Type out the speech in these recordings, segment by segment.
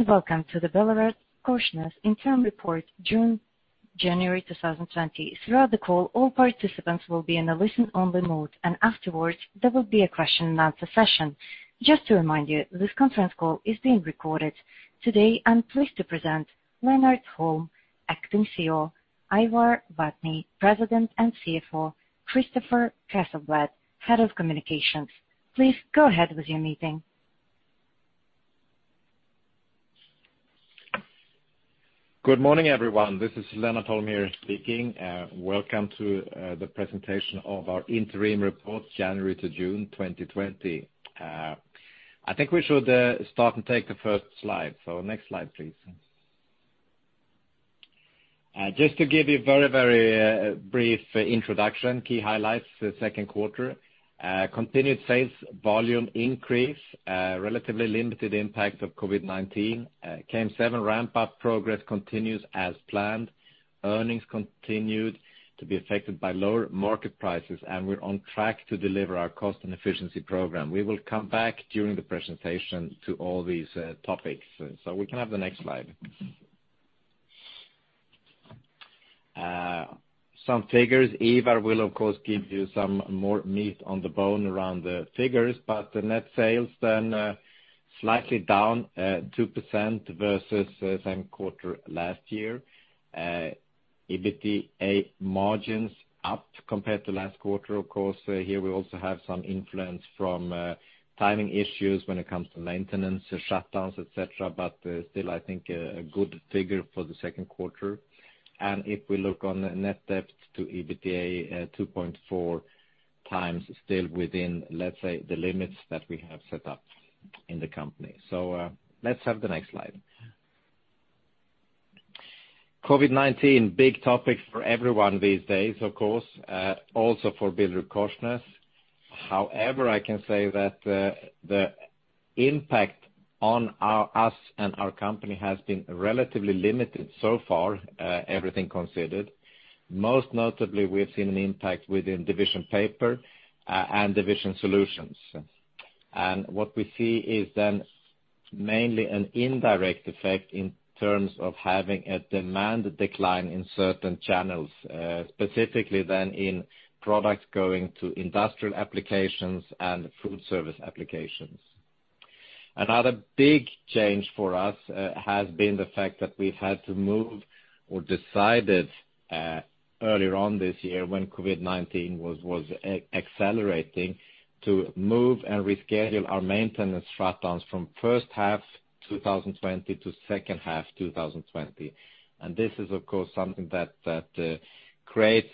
Hello, and welcome to the BillerudKorsnäs Interim Report January 2020. Throughout the call, all participants will be in a listen-only mode, and afterwards there will be a question and answer session. Just to remind you, this conference call is being recorded. Today, I'm pleased to present Lennart Holm, Acting CEO, Ivar Vatne, President and CFO, Christofer Kaseblad, Head of Communications. Please go ahead with your meeting. Good morning, everyone. This is Lennart Holm here speaking. Welcome to the presentation of our interim report, January to June 2020. I think we should start and take the first slide. Next slide, please. Just to give you very brief introduction, key highlights the second quarter. Continued sales volume increase, relatively limited impact of COVID-19, KM7 ramp-up progress continues as planned. Earnings continued to be affected by lower market prices, and we're on track to deliver our cost and efficiency program. We will come back during the presentation to all these topics. We can have the next slide. Some figures. Ivar will, of course, give you some more meat on the bone around the figures, but the net sales then slightly down 2% versus same quarter last year. EBITDA margins up compared to last quarter, of course. Here we also have some influence from timing issues when it comes to maintenance, shutdowns, et cetera. Still, I think a good figure for the second quarter. If we look on net debt to EBITDA 2.4 times still within, let's say, the limits that we have set up in the company. Let's have the next slide. COVID-19, big topic for everyone these days, of course also for BillerudKorsnäs. I can say that the impact on us and our company has been relatively limited so far everything considered. Most notably, we have seen an impact within Division Paper and Division Solutions. What we see is then mainly an indirect effect in terms of having a demand decline in certain channels, specifically then in products going to industrial applications and food service applications. Another big change for us has been the fact that we've had to move or decided earlier on this year when COVID-19 was accelerating to move and reschedule our maintenance shutdowns from first half 2020 to second half 2020. This is, of course, something that creates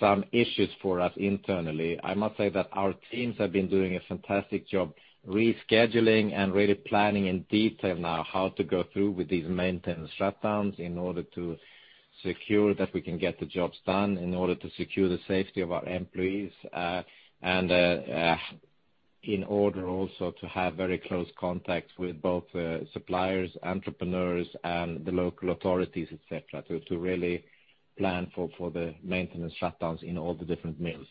some issues for us internally. I must say that our teams have been doing a fantastic job rescheduling and really planning in detail now how to go through with these maintenance shutdowns in order to secure that we can get the jobs done, in order to secure the safety of our employees, and in order also to have very close contacts with both suppliers, entrepreneurs, and the local authorities, et cetera, to really plan for the maintenance shutdowns in all the different mills.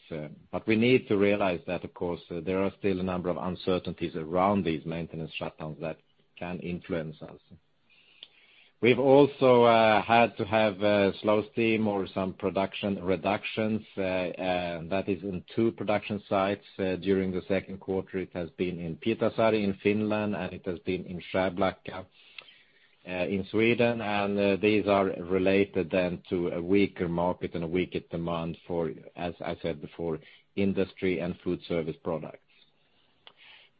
We need to realize that, of course, there are still a number of uncertainties around these maintenance shutdowns that can influence us. We've also had to have slow steam or some production reductions, that is in two production sites during the second quarter. It has been in Pietarsaari in Finland, and it has been in Skärblacka in Sweden. These are related then to a weaker market and a weaker demand for, as I said before, industry and food service products.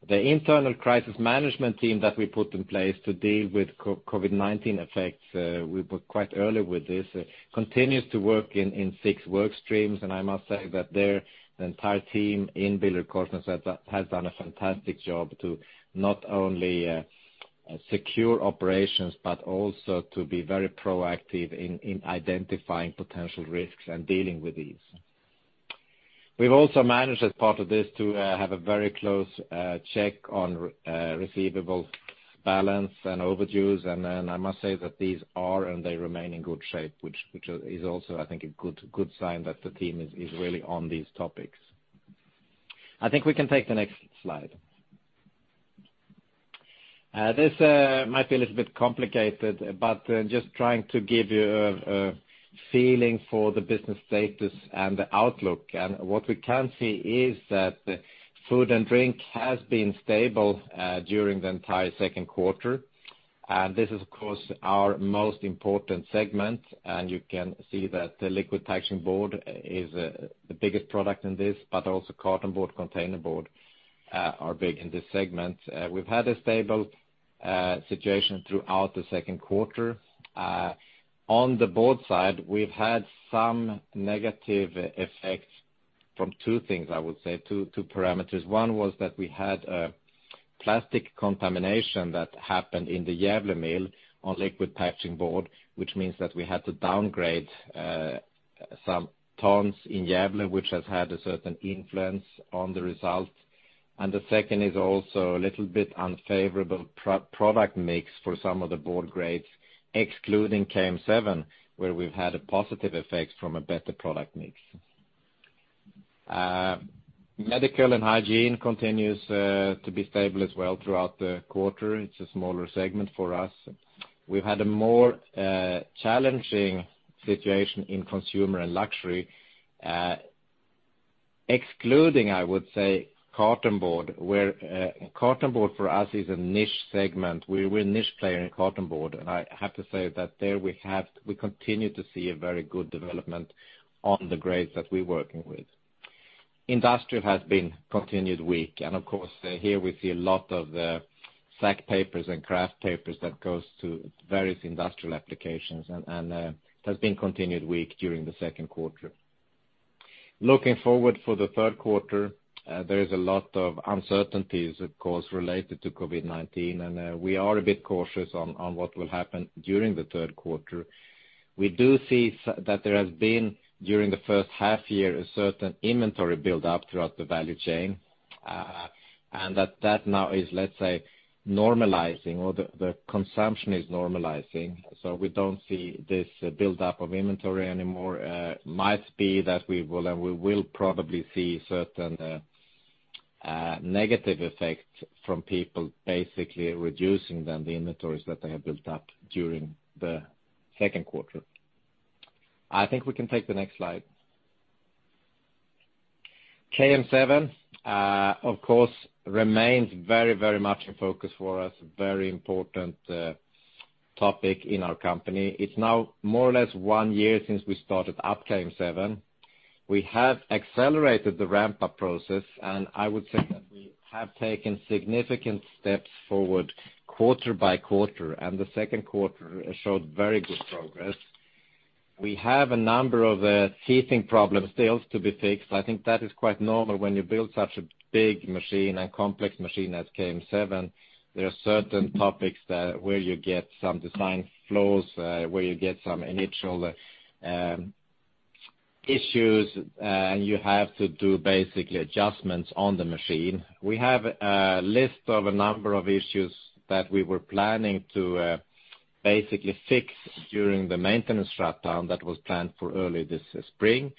The internal crisis management team that we put in place to deal with COVID-19 effects, we were quite early with this, continues to work in six work streams. I must say that the entire team in BillerudKorsnäs has done a fantastic job to not only secure operations, but also to be very proactive in identifying potential risks and dealing with these. We've also managed as part of this to have a very close check on receivables balance and overdues. I must say that these are and they remain in good shape, which is also, I think, a good sign that the team is really on these topics. I think we can take the next slide. This might be a little bit complicated, but just trying to give you a feeling for the business status and the outlook. What we can see is that food and drink has been stable during the entire second quarter. This is of course, our most important segment. You can see that the liquid packaging board is the biggest product in this, but also cartonboard, containerboard are big in this segment. We've had a stable situation throughout the second quarter. On the Board side, we've had some negative effects from two things, I would say, two parameters. One was that we had a plastic contamination that happened in the Gävle mill on liquid packaging board, which means that we had to downgrade some tons in Gävle, which has had a certain influence on the results. The second is also a little bit unfavorable product mix for some of the Board grades, excluding KM7, where we've had a positive effect from a better product mix. Medical and hygiene continues to be stable as well throughout the quarter. It's a smaller segment for us. We've had a more challenging situation in consumer and luxury, excluding, I would say, cartonboard. Cartonboard for us is a niche segment. We're a niche player in cartonboard, and I have to say that there we continue to see a very good development on the grades that we're working with. Industrial has been continued weak, and of course, here we see a lot of the sack papers and kraft papers that goes to various industrial applications, and it has been continued weak during the second quarter. Looking forward for the third quarter, there is a lot of uncertainties, of course, related to COVID-19, and we are a bit cautious on what will happen during the third quarter. We do see that there has been, during the first half year, a certain inventory buildup throughout the value chain, and that now is, let's say, normalizing, or the consumption is normalizing, so we don't see this buildup of inventory anymore. Might be that we will, we will probably see certain negative effects from people basically reducing the inventories that they have built up during the second quarter. I think we can take the next slide. KM7, of course, remains very much in focus for us, very important topic in our company. It's now more or less one year since we started up KM7. We have accelerated the ramp-up process, I would say that we have taken significant steps forward quarter by quarter, the second quarter showed very good progress. We have a number of heating problems still to be fixed. I think that is quite normal when you build such a big machine and complex machine as KM7. There are certain topics where you get some design flaws, where you get some initial issues, you have to do basically adjustments on the machine. We have a list of a number of issues that we were planning to basically fix during the maintenance shutdown that was planned for early this spring.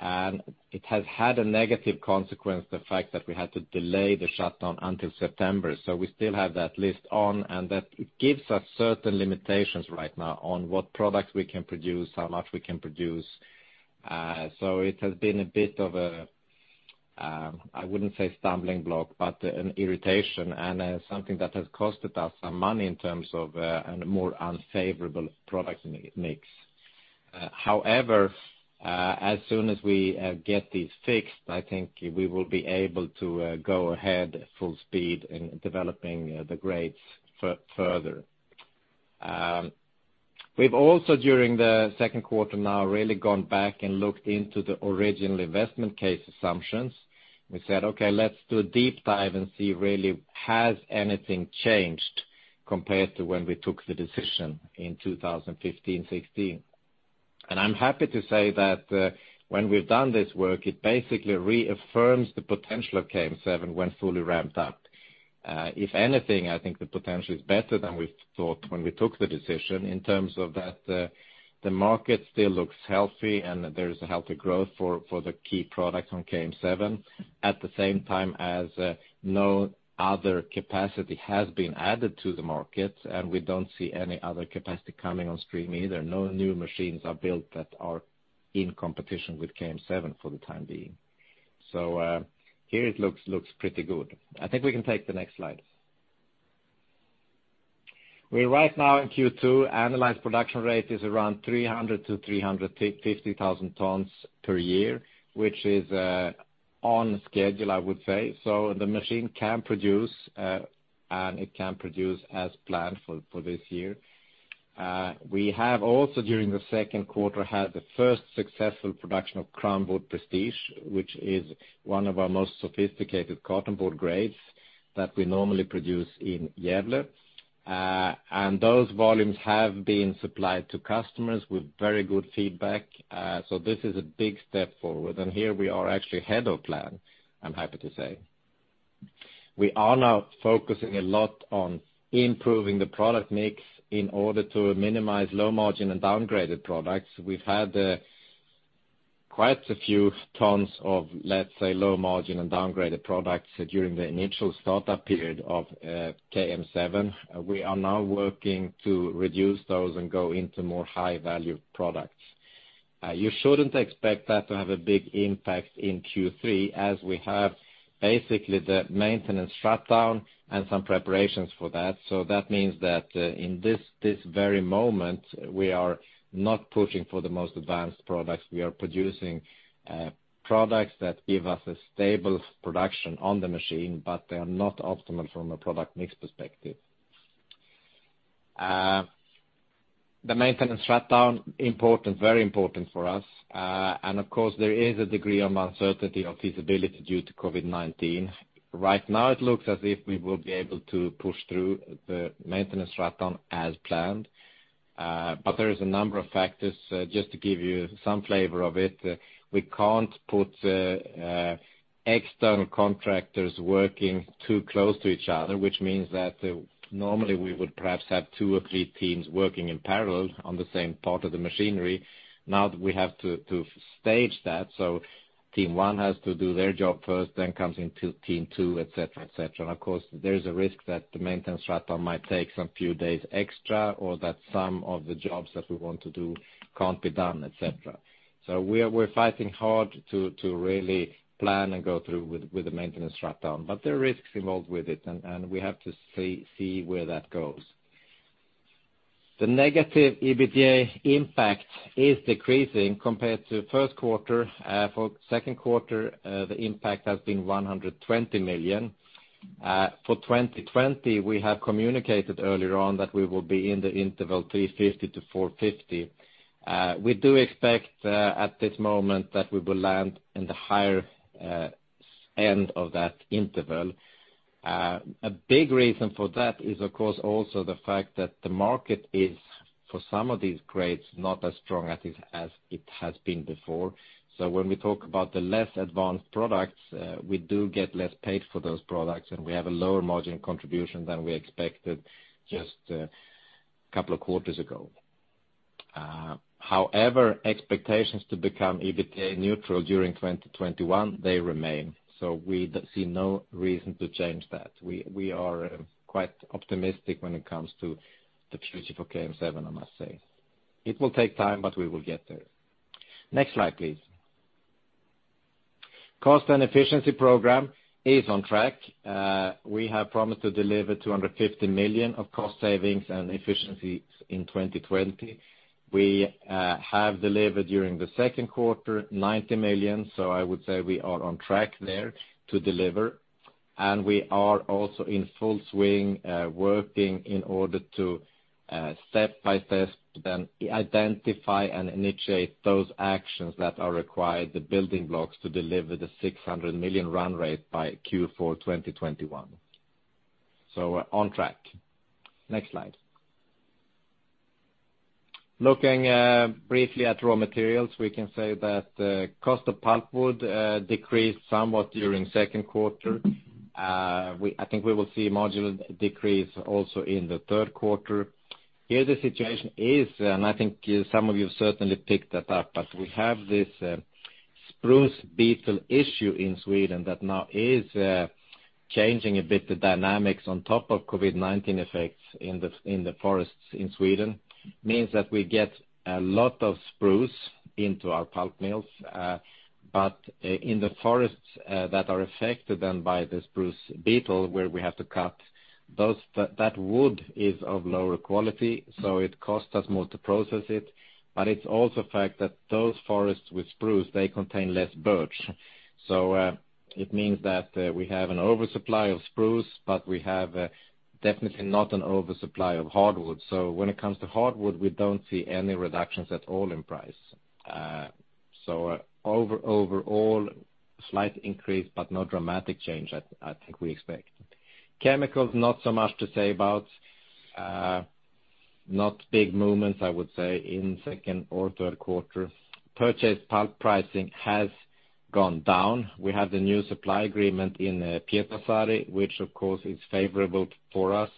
It has had a negative consequence, the fact that we had to delay the shutdown until September. We still have that list on, and that gives us certain limitations right now on what products we can produce, how much we can produce. It has been a bit of a, I wouldn't say stumbling block, but an irritation and something that has costed us some money in terms of a more unfavorable product mix. However, as soon as we get these fixed, I think we will be able to go ahead full speed in developing the grades further. We've also, during the second quarter now, really gone back and looked into the original investment case assumptions. We said, Okay, let's do a deep dive and see really has anything changed compared to when we took the decision in 2015, 2016. I'm happy to say that when we've done this work, it basically reaffirms the potential of KM7 when fully ramped up. If anything, I think the potential is better than we thought when we took the decision in terms of that the market still looks healthy and there's a healthy growth for the key products on KM7. At the same time as no other capacity has been added to the market, and we don't see any other capacity coming on stream either. No new machines are built that are in competition with KM7 for the time being. Here it looks pretty good. I think we can take the next slide. We're right now in Q2. Annualized production rate is around 300,000 to 350,000 tons per year, which is on schedule, I would say. The machine can produce, and it can produce as planned for this year. We have also, during the second quarter, had the first successful production of CrownBoard Prestige, which is one of our most sophisticated cartonboard grades that we normally produce in Gävle. Those volumes have been supplied to customers with very good feedback. This is a big step forward. Here we are actually ahead of plan, I'm happy to say. We are now focusing a lot on improving the product mix in order to minimize low margin and downgraded products. We've had quite a few tons of, let's say, low margin and downgraded products during the initial startup period of KM7. We are now working to reduce those and go into more high-value products. You shouldn't expect that to have a big impact in Q3, as we have basically the maintenance shutdown and some preparations for that. That means that in this very moment, we are not pushing for the most advanced products. We are producing products that give us a stable production on the machine, but they are not optimal from a product mix perspective. The maintenance shutdown, very important for us. Of course, there is a degree of uncertainty on feasibility due to COVID-19. Right now it looks as if we will be able to push through the maintenance shutdown as planned. There is a number of factors. Just to give you some flavor of it, we can't put external contractors working too close to each other, which means that normally we would perhaps have two or three teams working in parallel on the same part of the machinery. We have to stage that, so team 1 has to do their job first, then comes in team 2, et cetera. Of course, there is a risk that the maintenance shutdown might take some few days extra, or that some of the jobs that we want to do can't be done, et cetera. We're fighting hard to really plan and go through with the maintenance shutdown. There are risks involved with it, and we have to see where that goes. The negative EBITDA impact is decreasing compared to first quarter. For second quarter, the impact has been 120 million. For 2020, we have communicated earlier on that we will be in the interval 350 million to 450 million. We do expect, at this moment, that we will land in the higher end of that interval. A big reason for that is, of course, also the fact that the market is, for some of these grades, not as strong as it has been before. When we talk about the less advanced products, we do get less paid for those products, and we have a lower margin contribution than we expected just a couple of quarters ago. However, expectations to become EBITDA neutral during 2021, they remain. We see no reason to change that. We are quite optimistic when it comes to the future for KM7, I must say. It will take time, but we will get there. Next slide, please. Cost and efficiency program is on track. We have promised to deliver 250 million of cost savings and efficiencies in 2020. We have delivered during the second quarter 90 million, I would say we are on track there to deliver. We are also in full swing, working in order to step by step, identify and initiate those actions that are required, the building blocks to deliver the 600 million run rate by Q4 2021. We are on track. Next slide. Looking briefly at raw materials, we can say that cost of pulp wood decreased somewhat during second quarter. I think we will see a marginal decrease also in the third quarter. Here the situation is, and I think some of you have certainly picked that up, but we have this spruce beetle issue in Sweden that now is changing a bit the dynamics on top of COVID-19 effects in the forests in Sweden. This means that we get a lot of spruce into our pulp mills. In the forests that are affected by the spruce beetle, where we have to cut that wood is of lower quality, so it costs us more to process it. It's also a fact that those forests with spruce, they contain less birch. It means that we have an oversupply of spruce, but we have definitely not an oversupply of hardwood. When it comes to hardwood, we don't see any reductions at all in price. Overall, slight increase, but no dramatic change I think we expect. Chemicals, not so much to say about. Not big movements, I would say, in second or third quarter. Purchased pulp pricing has gone down. We have the new supply agreement in Pietarsaari, which of course is favorable for us.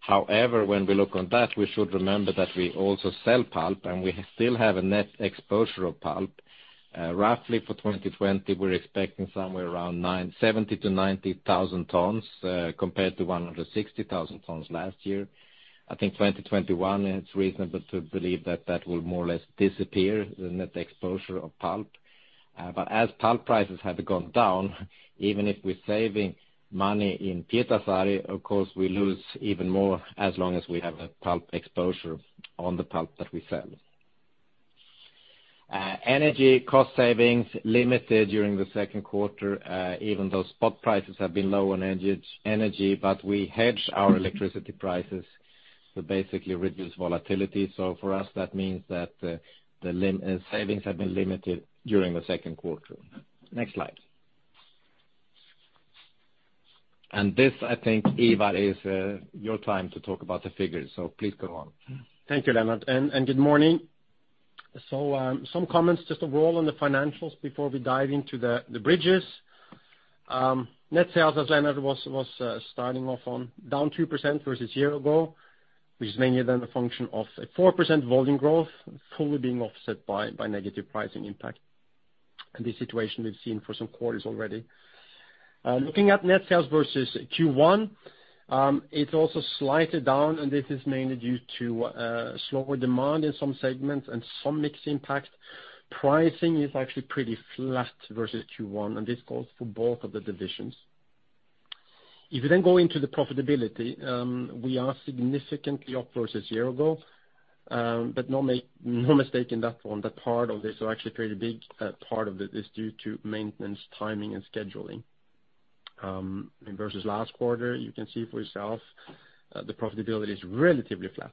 However, when we look on that, we should remember that we also sell pulp, and we still have a net exposure of pulp. Roughly for 2020, we're expecting somewhere around 70,000-90,000 tons, compared to 160,000 tons last year. I think 2021, it's reasonable to believe that that will more or less disappear, the net exposure of pulp. As pulp prices have gone down, even if we're saving money in Pietarsaari, of course, we lose even more as long as we have a pulp exposure on the pulp that we sell. Energy cost savings limited during the second quarter, even though spot prices have been low on energy, but we hedge our electricity prices to basically reduce volatility. For us, that means that the savings have been limited during the second quarter. Next slide. This, I think, Ivar, is your time to talk about the figures. Please go on. Thank you, Lennart, and good morning. Some comments, just overall on the financials before we dive into the bridges. Net sales, as Lennart was starting off on, down 2% versus a year ago, which is mainly then a function of a 4% volume growth fully being offset by negative pricing impact. This situation we've seen for some quarters already. Looking at net sales versus Q1, it's also slightly down, this is mainly due to slower demand in some segments and some mix impact. Pricing is actually pretty flat versus Q1, this goes for both of the divisions. If you go into the profitability, we are significantly up versus a year ago, but no mistake in that one, that part of this, or actually a pretty big part of it, is due to maintenance timing and scheduling. Versus last quarter, you can see for yourself, the profitability is relatively flat.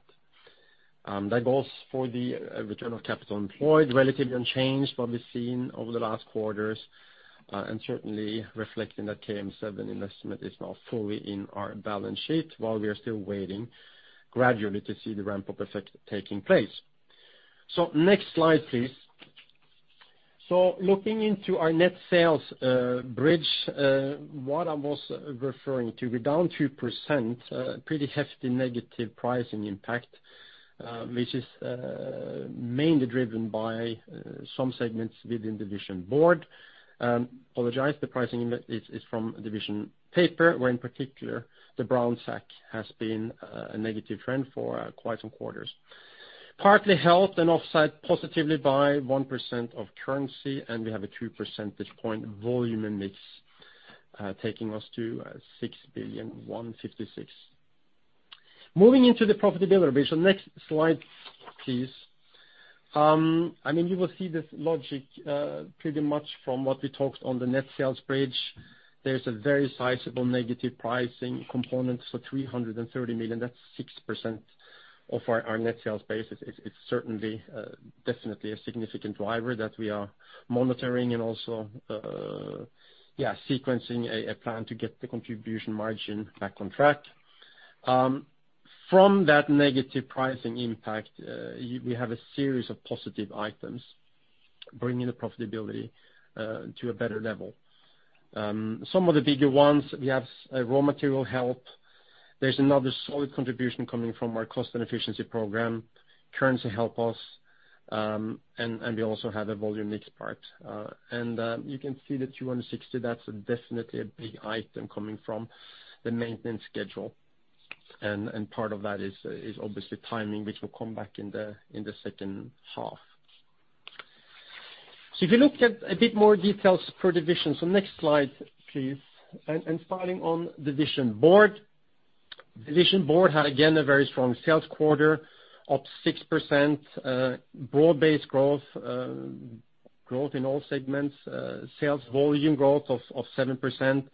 That goes for the return on capital employed, relatively unchanged from we've seen over the last quarters. Certainly reflecting that KM7 investment is now fully in our balance sheet while we are still waiting gradually to see the ramp-up effect taking place. Next slide, please. Looking into our net sales bridge, what I was referring to, we're down 2%, pretty hefty negative pricing impact, which is mainly driven by some segments within Division Board. Apologize, the pricing is from Division Paper, where in particular, the brown sack has been a negative trend for quite some quarters. Partly helped and offset positively by 1% of currency, and we have a two percentage point volume in mix, taking us to 6,156,000,000. Moving into the profitability. Next slide please. You will see this logic pretty much from what we talked on the net sales bridge. There's a very sizable negative pricing component for 330 million. That's 6% of our net sales base. It's certainly definitely a significant driver that we are monitoring and also sequencing a plan to get the contribution margin back on track. From that negative pricing impact, we have a series of positive items bringing the profitability to a better level. Some of the bigger ones, we have raw material help. There's another solid contribution coming from our cost and efficiency program. Currency help us. We also have a volume mix part. You can see the 260, that's definitely a big item coming from the maintenance schedule. Part of that is obviously timing, which will come back in the second half. If you look at a bit more details per division. Next slide, please. Starting on Division Board. Division Board had, again, a very strong sales quarter, up 6%, broad-based growth in all segments, sales volume growth of 7%.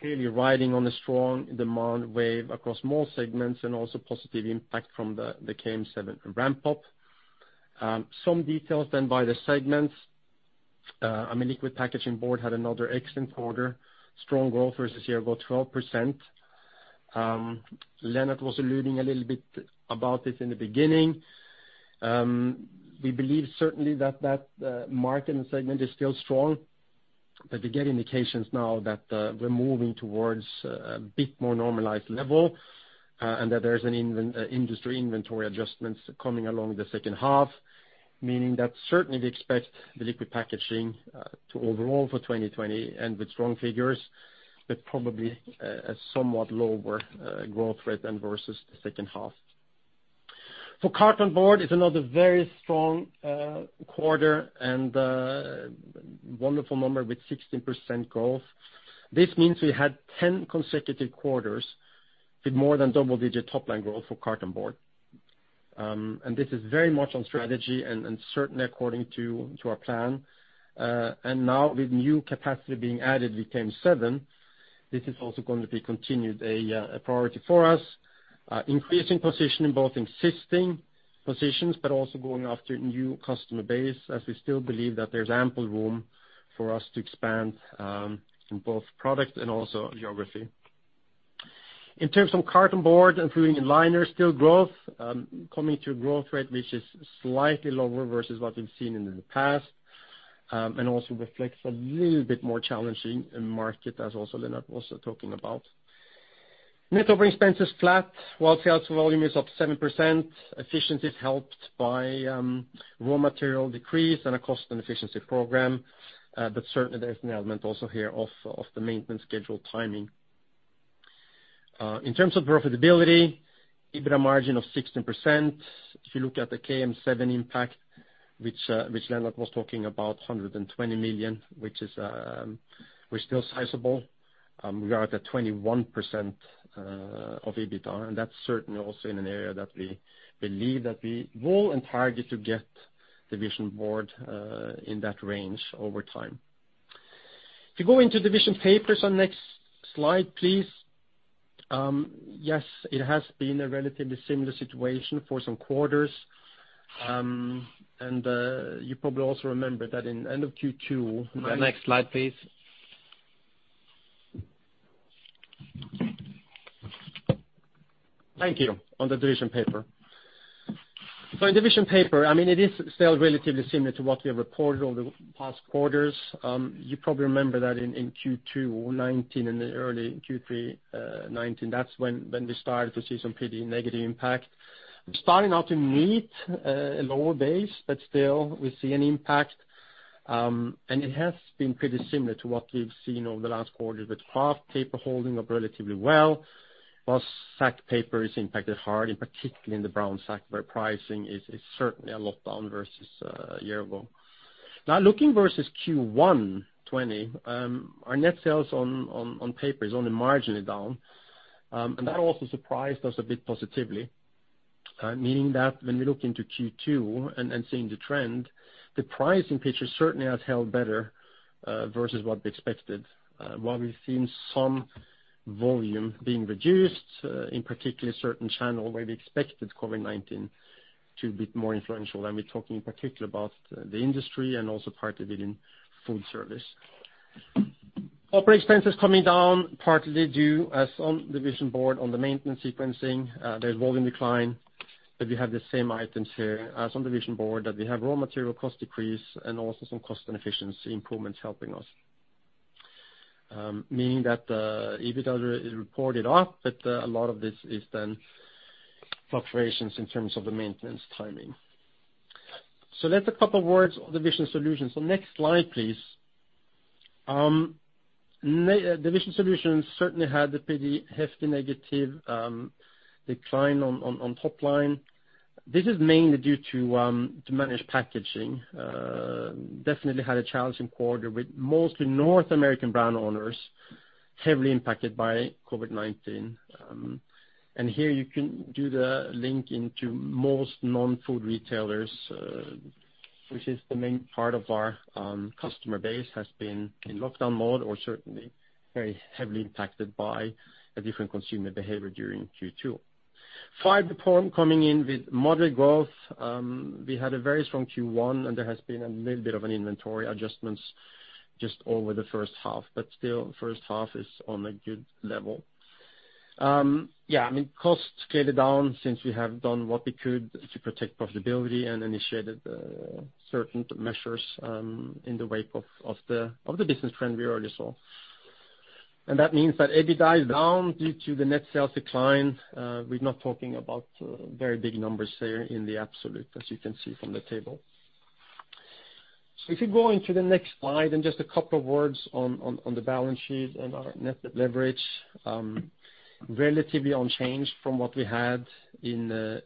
Clearly riding on the strong demand wave across more segments and also positive impact from the KM7 ramp-up. Some details by the segments. Liquid packaging board had another excellent quarter. Strong growth versus year, about 12%. Lennart was alluding a little bit about this in the beginning. We believe certainly that market and segment is still strong, but we get indications now that we're moving towards a bit more normalized level, and that there's an industry inventory adjustments coming along the second half, meaning that certainly we expect the liquid packaging to overall for 2020 end with strong figures, but probably a somewhat lower growth rate than versus the second half. Cartonboard is another very strong quarter and a wonderful number with 16% growth. This means we had 10 consecutive quarters with more than double-digit top-line growth for cartonboard. This is very much on strategy and certainly according to our plan. Now with new capacity being added with KM7, this is also going to be continued a priority for us. Increasing position in both existing positions, but also going after new customer base as we still believe that there's ample room for us to expand in both product and also geography. In terms of cartonboard, including in liner, still growth. Coming to growth rate, which is slightly lower versus what we've seen in the past, and also reflects a little bit more challenging market as also Lennart was talking about. Net operating expenses flat while sales volume is up 7%. Efficiency is helped by raw material decrease and a cost and efficiency program. Certainly there's an element also here of the maintenance schedule timing. In terms of profitability, EBITDA margin of 16%. If you look at the KM7 impact, which Lennart was talking about, 120 million, which is still sizable. We are at a 21% of EBITDA, that's certainly also in an area that we believe that we will and target to get Division Board in that range over time. If you go into Division Paper on next slide, please. It has been a relatively similar situation for some quarters. You probably also remember that in end of Q2. Next slide, please. Thank you. On the Division Paper. In Division Paper, it is still relatively similar to what we have reported over the past quarters. You probably remember that in Q2 2019 and early Q3 2019, that's when we started to see some pretty negative impact. Starting out to meet a lower base, but still we see an impact. It has been pretty similar to what we've seen over the last quarter with kraft paper holding up relatively well, while sack paper is impacted hard, in particularly in the brown sack, where pricing is certainly a lot down versus a year ago. Now looking versus Q1 2020, our net sales on paper is only marginally down. That also surprised us a bit positively, meaning that when we look into Q2 and seeing the trend, the pricing picture certainly has held better versus what we expected. While we've seen some volume being reduced, in particular certain channel where we expected COVID-19 to be more influential, and we're talking in particular about the industry and also part of it in food service. Operating expenses coming down, partly due as on Division Board on the maintenance sequencing. There's volume decline, we have the same items here as on Division Board that we have raw material cost decrease and also some cost and efficiency improvements helping us. Meaning that the EBITDA is reported up, a lot of this is fluctuations in terms of the maintenance timing. Let a couple words on Division Solutions. Next slide, please. Division Solutions certainly had a pretty hefty negative decline on top line. This is mainly due to Managed Packaging. Definitely had a challenging quarter with mostly North American brand owners heavily impacted by COVID-19. Here you can do the link into most non-food retailers, which is the main part of our customer base has been in lockdown mode or certainly very heavily impacted by a different consumer behavior during Q2. FibreForm coming in with moderate growth. We had a very strong Q1, and there has been a little bit of an inventory adjustments just over the first half, but still first half is on a good level. Yeah, costs scaled down since we have done what we could to protect profitability and initiated certain measures in the wake of the business trend we already saw. That means that EBITDA is down due to the net sales decline. We're not talking about very big numbers here in the absolute, as you can see from the table. If you go into the next slide and just a couple of words on the balance sheet and our net debt leverage. Relatively unchanged from what we had in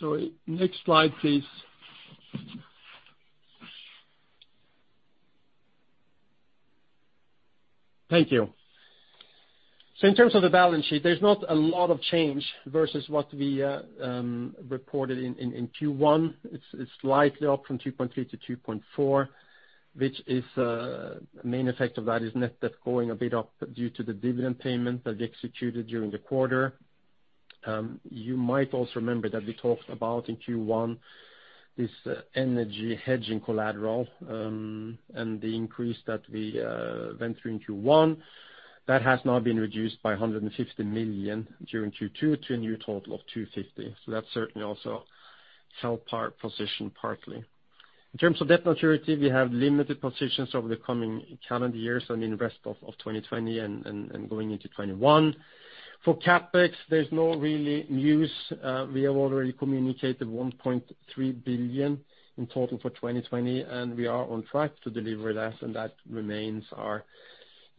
Sorry, next slide, please. Thank you. In terms of the balance sheet, there's not a lot of change versus what we reported in Q1. It's slightly up from 2.3 to 2.4, which the main effect of that is net debt going a bit up due to the dividend payment that we executed during the quarter. You might also remember that we talked about in Q1 this energy hedging collateral, and the increase that we went through in Q1. That has now been reduced by 150 million during Q2 to a new total of 250 million. That certainly also helped our position partly. In terms of debt maturity, we have limited positions over the coming calendar years, the rest of 2020 and going into 2021. For CapEx, there's no really news. We have already communicated 1.3 billion in total for 2020, and we are on track to deliver that, and that remains our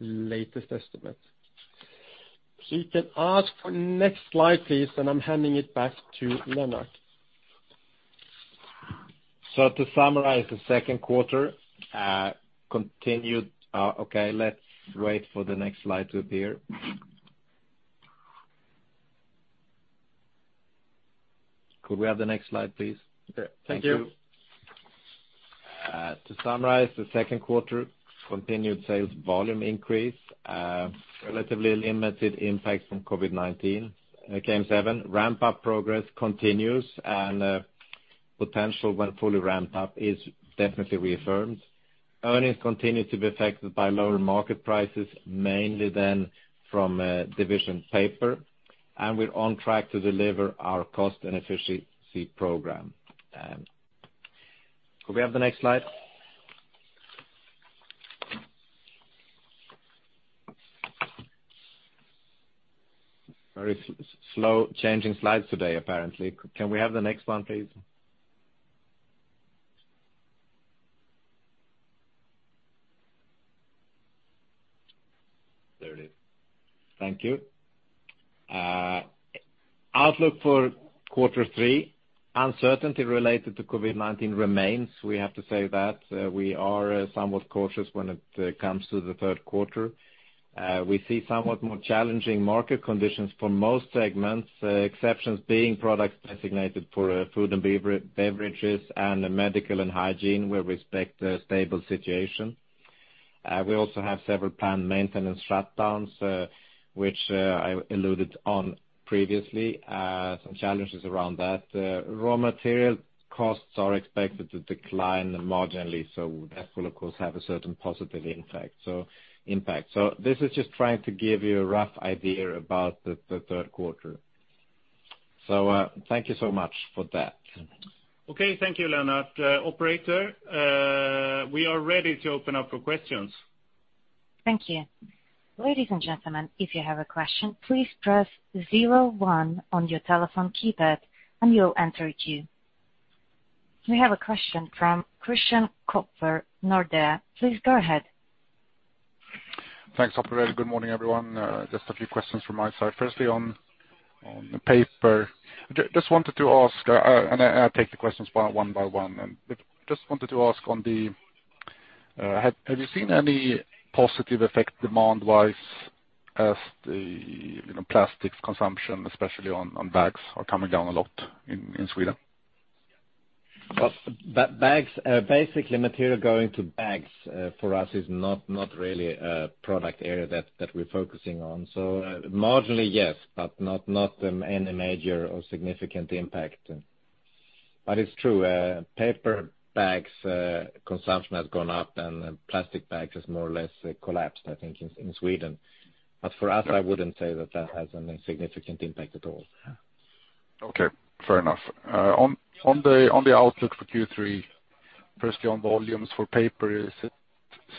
latest estimate. If you can ask for next slide, please, and I'm handing it back to Lennart. To summarize the second quarter. Okay, let's wait for the next slide to appear. Could we have the next slide, please? Okay. Thank you. Thank you. To summarize the second quarter, continued sales volume increase, relatively limited impact from COVID-19. KM7 ramp-up progress continues. Potential when fully ramped up is definitely reaffirmed. Earnings continue to be affected by lower market prices, mainly then from Division Paper. We're on track to deliver our cost and efficiency program. Could we have the next slide? Very slow changing slides today, apparently. Can we have the next one, please? There it is. Thank you. Outlook for quarter three. Uncertainty related to COVID-19 remains. We have to say that we are somewhat cautious when it comes to the third quarter. We see somewhat more challenging market conditions for most segments, exceptions being products designated for food and beverages and medical and hygiene where we expect a stable situation. We also have several planned maintenance shutdowns which I alluded on previously, some challenges around that. Raw material costs are expected to decline marginally, so that will, of course, have a certain positive impact. This is just trying to give you a rough idea about the third quarter. Thank you so much for that. Okay. Thank you, Lennart. Operator, we are ready to open up for questions. Thank you. Ladies and gentlemen, if you have a question, please press 01 on your telephone keypad and you'll enter a queue. We have a question from Christian Kopfer, Nordea. Please go ahead. Thanks, operator. Good morning, everyone. A few questions from my side. Firstly, on the paper. I take the questions one by one. Wanted to ask, have you seen any positive effect demand-wise as the plastics consumption, especially on bags, are coming down a lot in Sweden? Basically material going to bags for us is not really a product area that we're focusing on. Marginally, yes, but not any major or significant impact. It's true, paper bags consumption has gone up and plastic bags has more or less collapsed, I think, in Sweden. For us, I wouldn't say that that has any significant impact at all. Okay. Fair enough. On the outlook for Q3, firstly, on volumes for paper, is it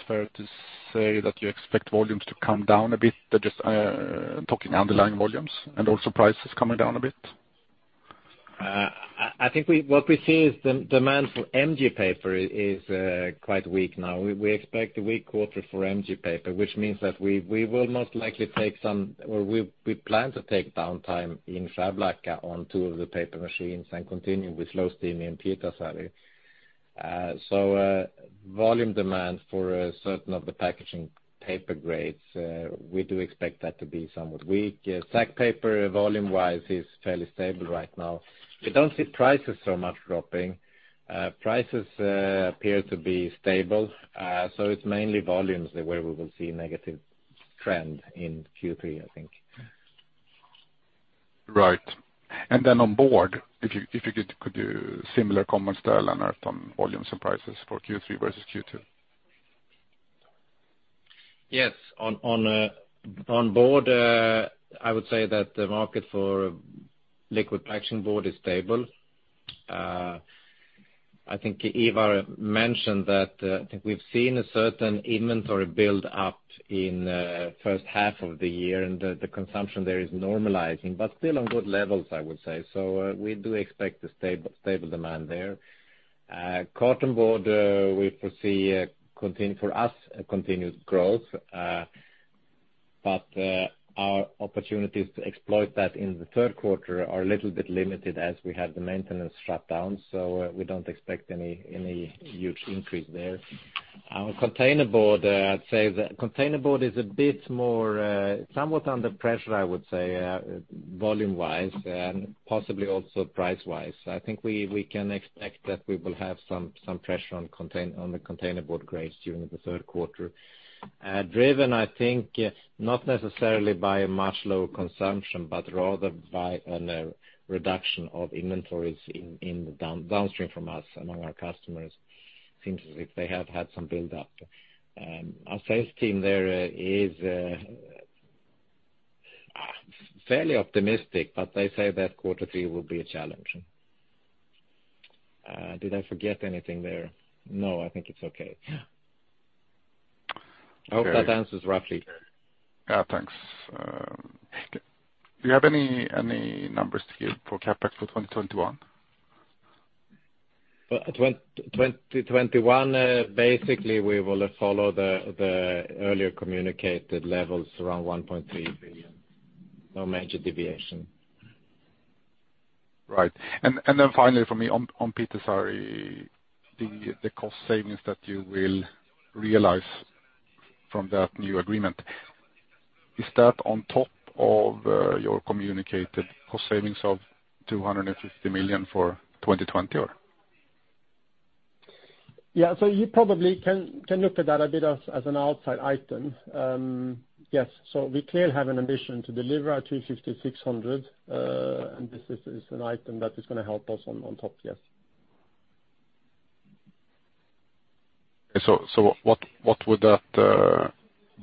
fair to say that you expect volumes to come down a bit? I'm talking underlying volumes, and also prices coming down a bit. I think what we see is demand for MG paper is quite weak now. We expect a weak quarter for MG paper, which means that we plan to take downtime in Frövi on two of the paper machines and continue with low steam in Pietarsaari. Volume demand for certain of the packaging paper grades, we do expect that to be somewhat weak. Sack paper, volume-wise, is fairly stable right now. We don't see prices so much dropping. Prices appear to be stable. It's mainly volumes where we will see negative trend in Q3, I think. Right. Then on Board, if you could do similar comments there, Lennart, on volumes and prices for Q3 versus Q2. Yes. On Board, I would say that the market for liquid packaging board is stable. I think Ivar mentioned that I think we've seen a certain inventory build-up in the first half of the year and the consumption there is normalizing, but still on good levels, I would say. We do expect a stable demand there. cartonboard, we foresee, for us, a continued growth. Our opportunities to exploit that in the third quarter are a little bit limited as we have the maintenance shutdown. We don't expect any huge increase there. Our containerboard, I'd say that containerboard is somewhat under pressure, I would say, volume-wise, and possibly also price-wise. I think we can expect that we will have some pressure on the containerboard grades during the third quarter. Driven, I think, not necessarily by a much lower consumption, but rather by a reduction of inventories in the downstream from us among our customers. Seems as if they have had some buildup. Our sales team there is fairly optimistic, but they say that quarter three will be a challenge. Did I forget anything there? No, I think it's okay. Yeah. I hope that answers roughly. Yeah, thanks. Do you have any numbers here for CapEx for 2021? 2021, basically, we will follow the earlier communicated levels around 1.3 billion. No major deviation. Right. Finally from me, on Pietarsaari, the cost savings that you will realize from that new agreement, is that on top of your communicated cost savings of 250 million for 2020 or? Yeah. You probably can look at that a bit as an outside item. Yes. We clearly have an ambition to deliver our 350, 600, and this is an item that is going to help us on top. Yes. What would that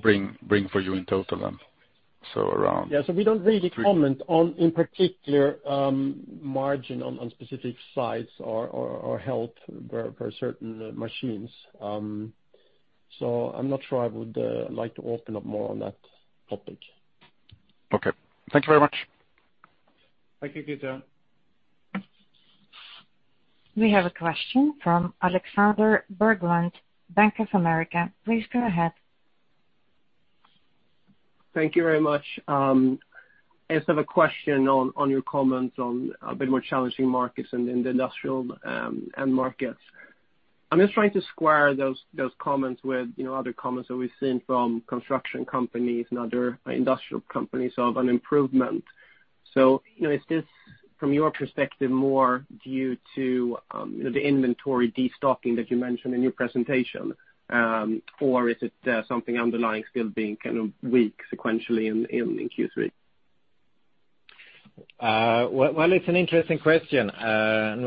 bring for you in total then? Yeah. We don't really comment on, in particular, margin on specific sites or help for certain machines. I'm not sure I would like to open up more on that topic. Okay. Thank you very much. Thank you, Peter. We have a question from Alexander Berglund, Bank of America. Please go ahead. Thank you very much. I just have a question on your comments on a bit more challenging markets in the industrial end markets. I'm just trying to square those comments with other comments that we've seen from construction companies and other industrial companies of an improvement. Is this, from your perspective, more due to the inventory destocking that you mentioned in your presentation? Is it something underlying still being kind of weak sequentially in Q3? Well, it's an interesting question, and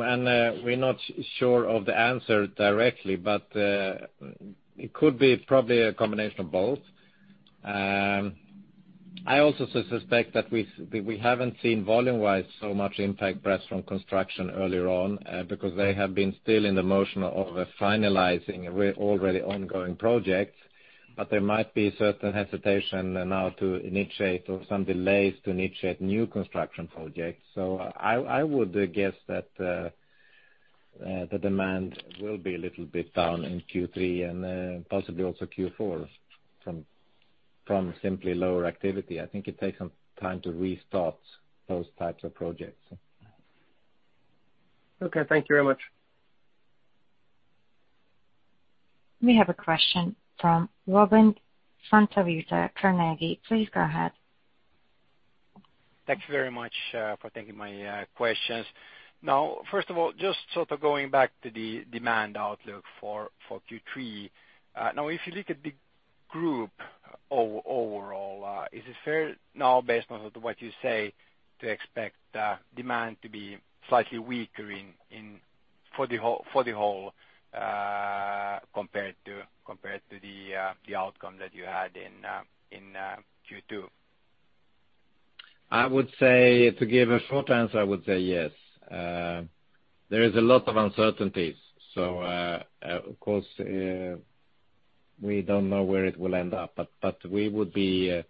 we're not sure of the answer directly, but it could be probably a combination of both. I also suspect that we haven't seen volume-wise so much impact perhaps from construction earlier on, because they have been still in the motion of finalizing already ongoing projects. There might be certain hesitation now to initiate, or some delays to initiate new construction projects. I would guess that the demand will be a little bit down in Q3 and possibly also Q4 from simply lower activity. I think it takes some time to restart those types of projects. Okay. Thank you very much. We have a question from Robin Santavirta, Carnegie. Please go ahead. Thanks very much for taking my questions. First of all, just sort of going back to the demand outlook for Q3. If you look at the Group overall, is it fair now based on what you say, to expect demand to be slightly weaker for the whole compared to the outcome that you had in Q2? I would say, to give a short answer, I would say yes. There is a lot of uncertainties. Of course, we don't know where it will end up, but we would be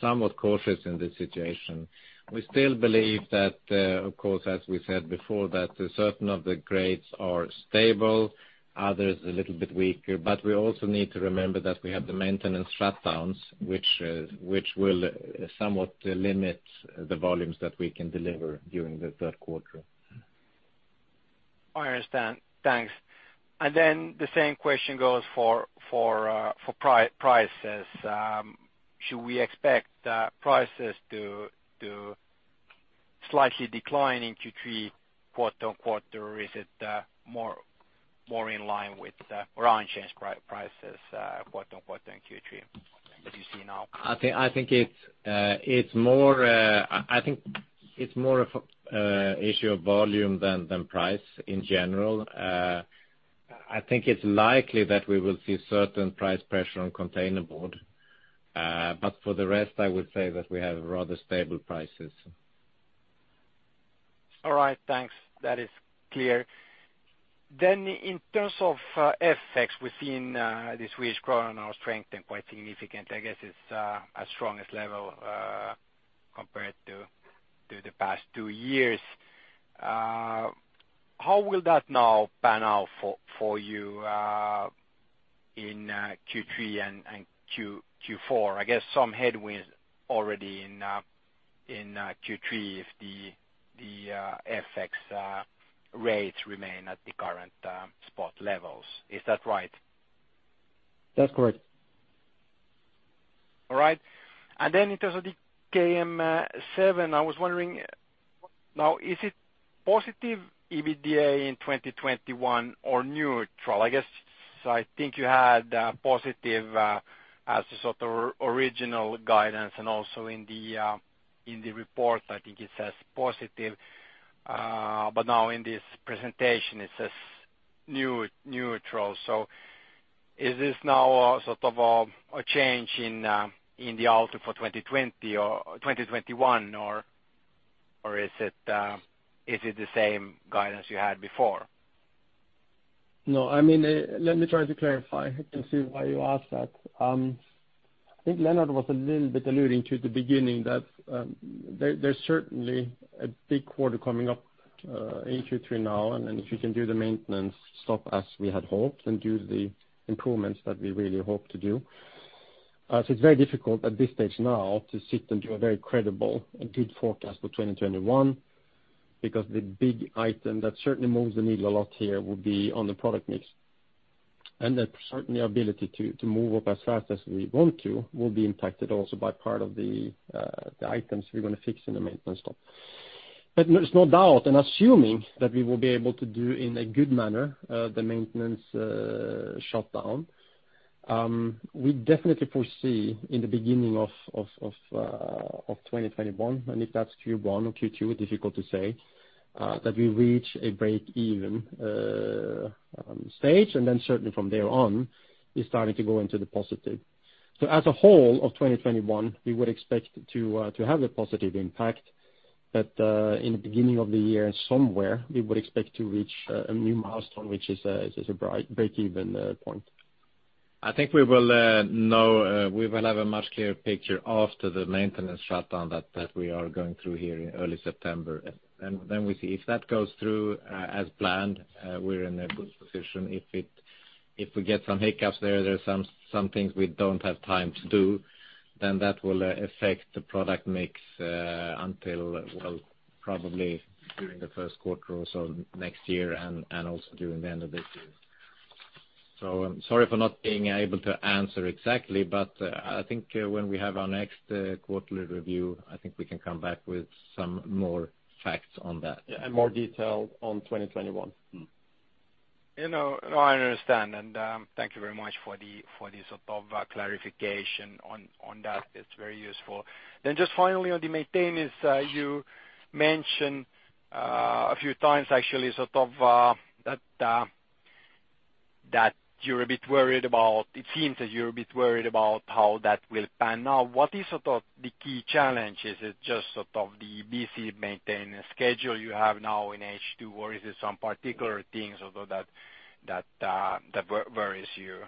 somewhat cautious in this situation. We still believe that, of course, as we said before, that certain of the grades are stable, others a little bit weaker. We also need to remember that we have the maintenance shutdowns, which will somewhat limit the volumes that we can deliver during the third quarter. I understand. Thanks. The same question goes for prices. Should we expect prices to slightly decline in Q3 quarter-over-quarter, or is it more in line with the raw change prices, quarter-over-quarter in Q3 that you see now? I think it's more of an issue of volume than price in general. I think it's likely that we will see certain price pressure on containerboard. For the rest, I would say that we have rather stable prices. All right. Thanks. That is clear. In terms of FX we've seen, the Swedish crown now strengthened quite significantly, I guess it's as strong a level, compared to the past two years. How will that now pan out for you in Q3 and Q4? I guess some headwinds already in Q3 if the FX rates remain at the current spot levels. Is that right? That's correct. All right. In terms of the KM7, I was wondering, now, is it positive EBITDA in 2021 or neutral? I guess, I think you had positive as the sort of original guidance, and also in the report, I think it says positive. Now in this presentation, it says neutral. Is this now a change in the outlook for 2020 or 2021, or is it the same guidance you had before? No. Let me try to clarify. I can see why you ask that. I think Lennart was a little bit alluding to the beginning that there is certainly a big quarter coming up, in Q3 now, and then if we can do the maintenance stop as we had hoped and do the improvements that we really hope to do. It's very difficult at this stage now to sit and do a very credible and good forecast for 2021, because the big item that certainly moves the needle a lot here would be on the product mix. Certainly our ability to move up as fast as we want to will be impacted also by part of the items we are going to fix in the maintenance stop. There is no doubt, and assuming that we will be able to do in a good manner, the maintenance shut down. We definitely foresee in the beginning of 2021, if that's Q1 or Q2, difficult to say, that we reach a break even stage, then certainly from there on, we're starting to go into the positive. As a whole of 2021, we would expect to have a positive impact. In the beginning of the year somewhere, we would expect to reach a new milestone, which is a break-even point. I think we will have a much clearer picture after the maintenance shutdown that we are going through here in early September. We see if that goes through as planned, we're in a good position. If we get some hiccups there's some things we don't have time to do, then that will affect the product mix, until probably during the first quarter also next year and also during the end of this year. I'm sorry for not being able to answer exactly, but I think when we have our next quarterly review, I think we can come back with some more facts on that. Yeah, more detail on 2021. No, I understand. Thank you very much for the sort of clarification on that. It's very useful. Just finally on the maintenance, you mentioned a few times actually sort of that it seems that you're a bit worried about how that will pan out. What is sort of the key challenge? Is it just sort of the busy maintenance schedule you have now in H2, or is it some particular things although that worries you?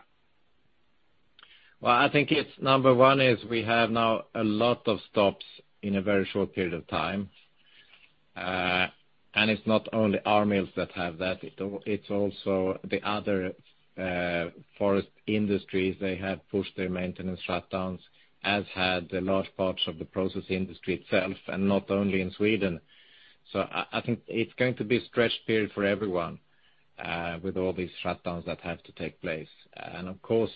Well, I think it's number one is we have now a lot of stops in a very short period of time. It's not only our mills that have that, it's also the other forest industries. They have pushed their maintenance shutdowns, as had the large parts of the process industry itself, and not only in Sweden. I think it's going to be a stretched period for everyone, with all these shutdowns that have to take place. Of course,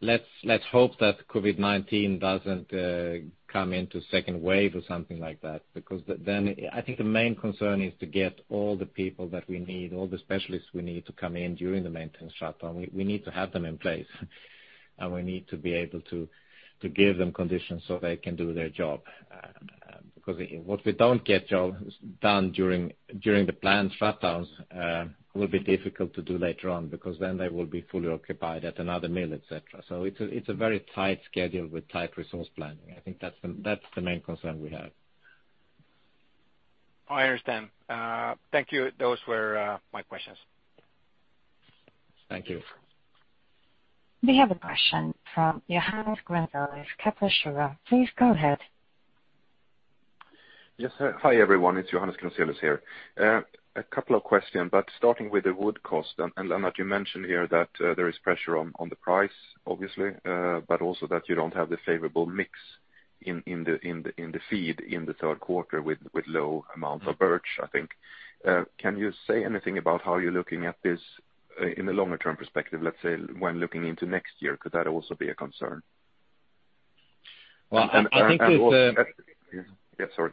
let's hope that COVID-19 doesn't come into second wave or something like that, because then I think the main concern is to get all the people that we need, all the specialists we need to come in during the maintenance shutdown. We need to have them in place, and we need to be able to give them conditions so they can do their job. What we don't get done during the planned shutdowns will be difficult to do later on, because then they will be fully occupied at another mill, et cetera. It's a very tight schedule with tight resource planning. I think that's the main concern we have. I understand. Thank you. Those were my questions. Thank you. We have a question from Johannes Grunselius. [inaudible] Please go ahead. Yes, sir. Hi, everyone. It's Johannes Grunselius here. A couple of questions, but starting with the wood cost. Lennart, you mentioned here that there is pressure on the price, obviously, but also that you don't have the favorable mix in the feed in the third quarter with low amounts of birch, I think. Can you say anything about how you're looking at this in the longer term perspective, let's say when looking into next year? Could that also be a concern? Well, I think that. Yes, sorry.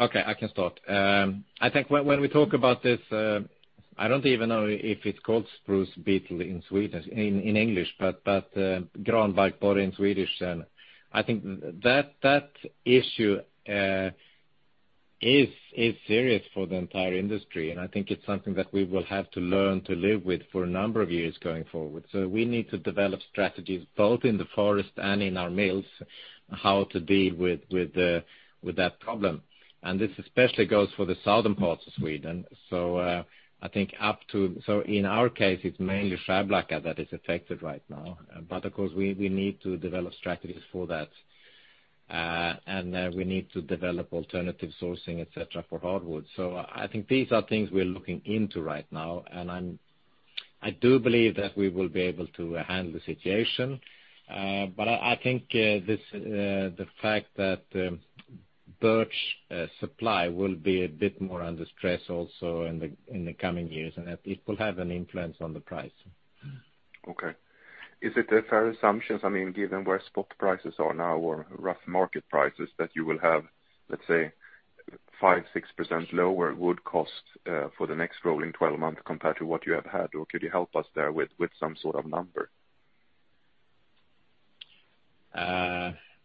Yeah. Okay, I can start. I think when we talk about this, I don't even know if it's called spruce beetle in English, but granbarkborre in Swedish. I think that issue is serious for the entire industry. I think it's something that we will have to learn to live with for a number of years going forward. We need to develop strategies both in the forest and in our mills, how to deal with that problem. This especially goes for the southern parts of Sweden. In our case, it's mainly Skärblacka that is affected right now. Of course, we need to develop strategies for that, and we need to develop alternative sourcing, et cetera, for hardwood. I think these are things we're looking into right now, and I do believe that we will be able to handle the situation. I think the fact that birch supply will be a bit more under stress also in the coming years, and that it will have an influence on the price. Okay. Is it a fair assumption, given where spot prices are now or rough market prices, that you will have, let's say, 5%, 6% lower wood cost for the next rolling 12 months compared to what you have had, or could you help us there with some sort of number?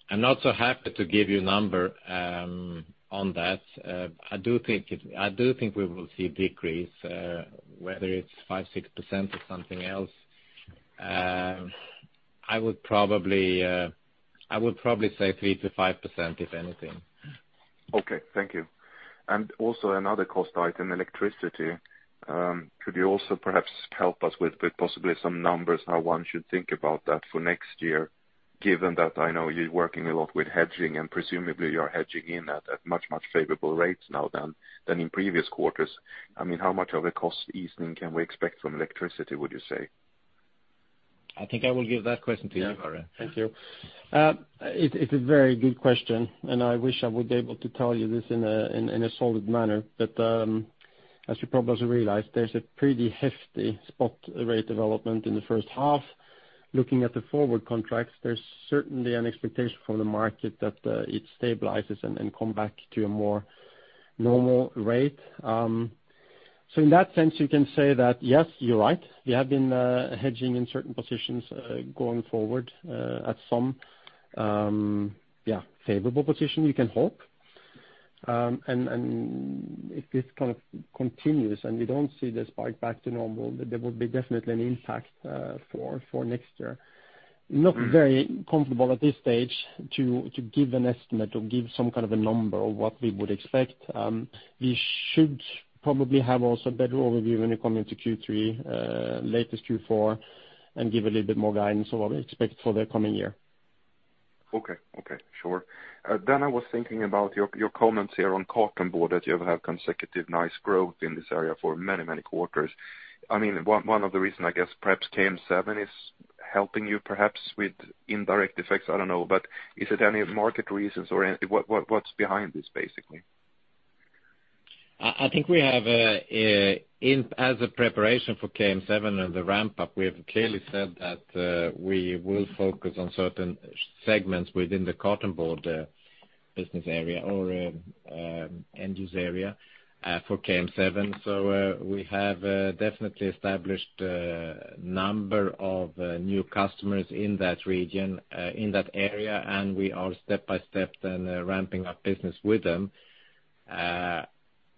I'm not so happy to give you a number on that. I do think we will see a decrease, whether it's 5%, 6% or something else. I would probably say 3%-5%, if anything. Okay, thank you. Also another cost item, electricity. Could you also perhaps help us with possibly some numbers, how one should think about that for next year, given that I know you're working a lot with hedging, and presumably you're hedging in at much favorable rates now than in previous quarters. How much of a cost easing can we expect from electricity, would you say? I think I will give that question to you, Örjan. Yeah, thank you. It's a very good question, and I wish I would be able to tell you this in a solid manner. As you probably also realize, there's a pretty hefty spot rate development in the first half. Looking at the forward contracts, there's certainly an expectation from the market that it stabilizes and come back to a more normal rate. In that sense, you can say that, yes, you're right. We have been hedging in certain positions going forward at some favorable position, you can hope. If this continues and we don't see the spike back to normal, there will be definitely an impact for next year. Not very comfortable at this stage to give an estimate or give some kind of a number of what we would expect. We should probably have also a better overview when we come into Q3, latest Q4, and give a little bit more guidance on what we expect for the coming year. Okay. Sure. I was thinking about your comments here on cartonboard, that you have had consecutive nice growth in this area for many, many quarters. One of the reasons, I guess perhaps KM7 is helping you perhaps with indirect effects, I don't know. Is it any market reasons or what's behind this, basically? I think as a preparation for KM7 and the ramp-up, we have clearly said that we will focus on certain segments within the cartonboard business area or end use area for KM7. We have definitely established a number of new customers in that region, in that area, and we are step by step then ramping up business with them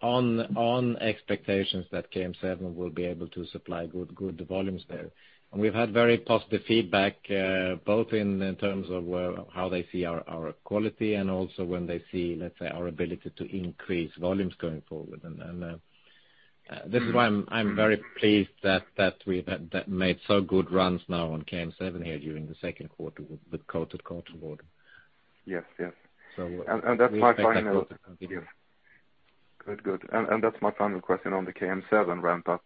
on expectations that KM7 will be able to supply good volumes there. We've had very positive feedback both in terms of how they see our quality and also when they see, let's say, our ability to increase volumes going forward. This is why I'm very pleased that we've made so good runs now on KM7 here during the second quarter with coated cartonboard. Yes. We expect that to continue. Good. That's my final question on the KM7 ramp-up.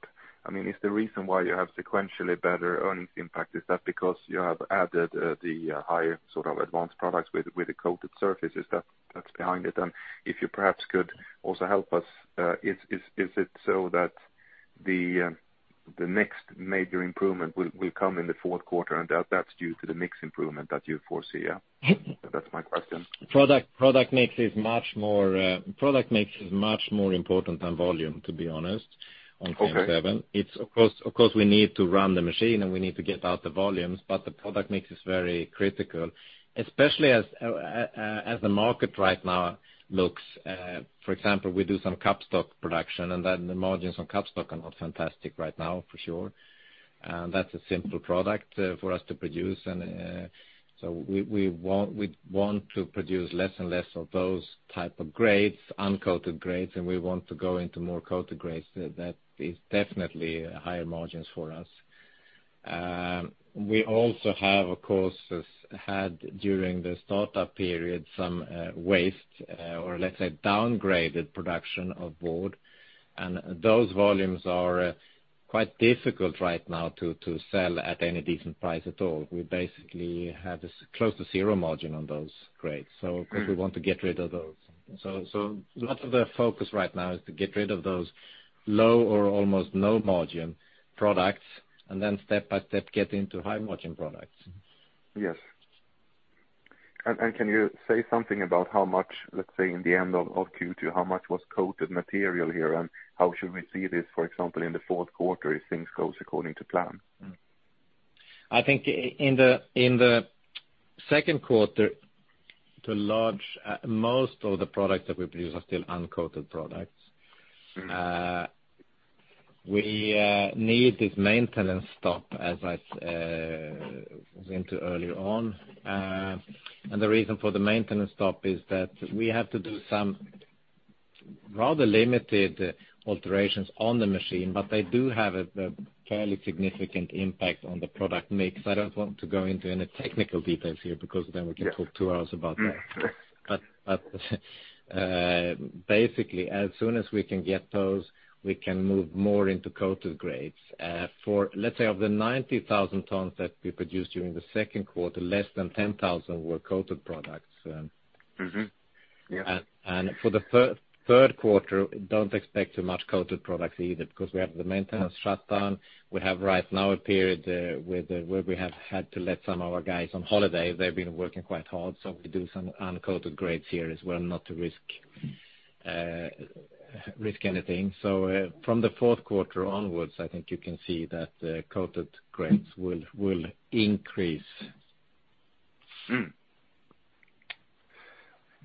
Is the reason why you have sequentially better earnings impact, is that because you have added the higher advanced products with the coated surfaces? That's behind it? If you perhaps could also help us, is it so that the next major improvement will come in the fourth quarter, and that's due to the mix improvement that you foresee? That's my question. Product mix is much more important than volume, to be honest, on KM7. Okay. Of course, we need to run the machine, and we need to get out the volumes, but the product mix is very critical, especially as the market right now looks. For example, we do some cup stock production, and then the margins on cup stock are not fantastic right now for sure. That's a simple product for us to produce. We want to produce less and less of those type of grades, uncoated grades, and we want to go into more coated grades. That is definitely higher margins for us. We also have, of course, had, during the startup period, some waste or let's say, downgraded production of Board. Those volumes are quite difficult right now to sell at any decent price at all. We basically have close to zero margin on those grades. Of course, we want to get rid of those. A lot of the focus right now is to get rid of those low or almost no margin products, and then step by step, get into high margin products. Yes. Can you say something about how much, let's say, in the end of Q2, how much was coated material here, and how should we see this, for example, in the fourth quarter, if things goes according to plan? I think in the second quarter, most of the products that we produce are still uncoated products. We need this maintenance stop, as I went into early on. The reason for the maintenance stop is that we have to do some rather limited alterations on the machine, but they do have a fairly significant impact on the product mix. I don't want to go into any technical details here because then we can talk two hours about that. Sure. Basically, as soon as we can get those, we can move more into coated grades. Let's say of the 90,000 tons that we produced during the second quarter, less than 10,000 were coated products. Mm-hmm. Yeah. For the third quarter, don't expect too much coated products either, because we have the maintenance shutdown. We have right now a period where we have had to let some of our guys on holiday. They've been working quite hard. We do some uncoated grades here as well not to risk anything. From the fourth quarter onwards, I think you can see that the coated grades will increase.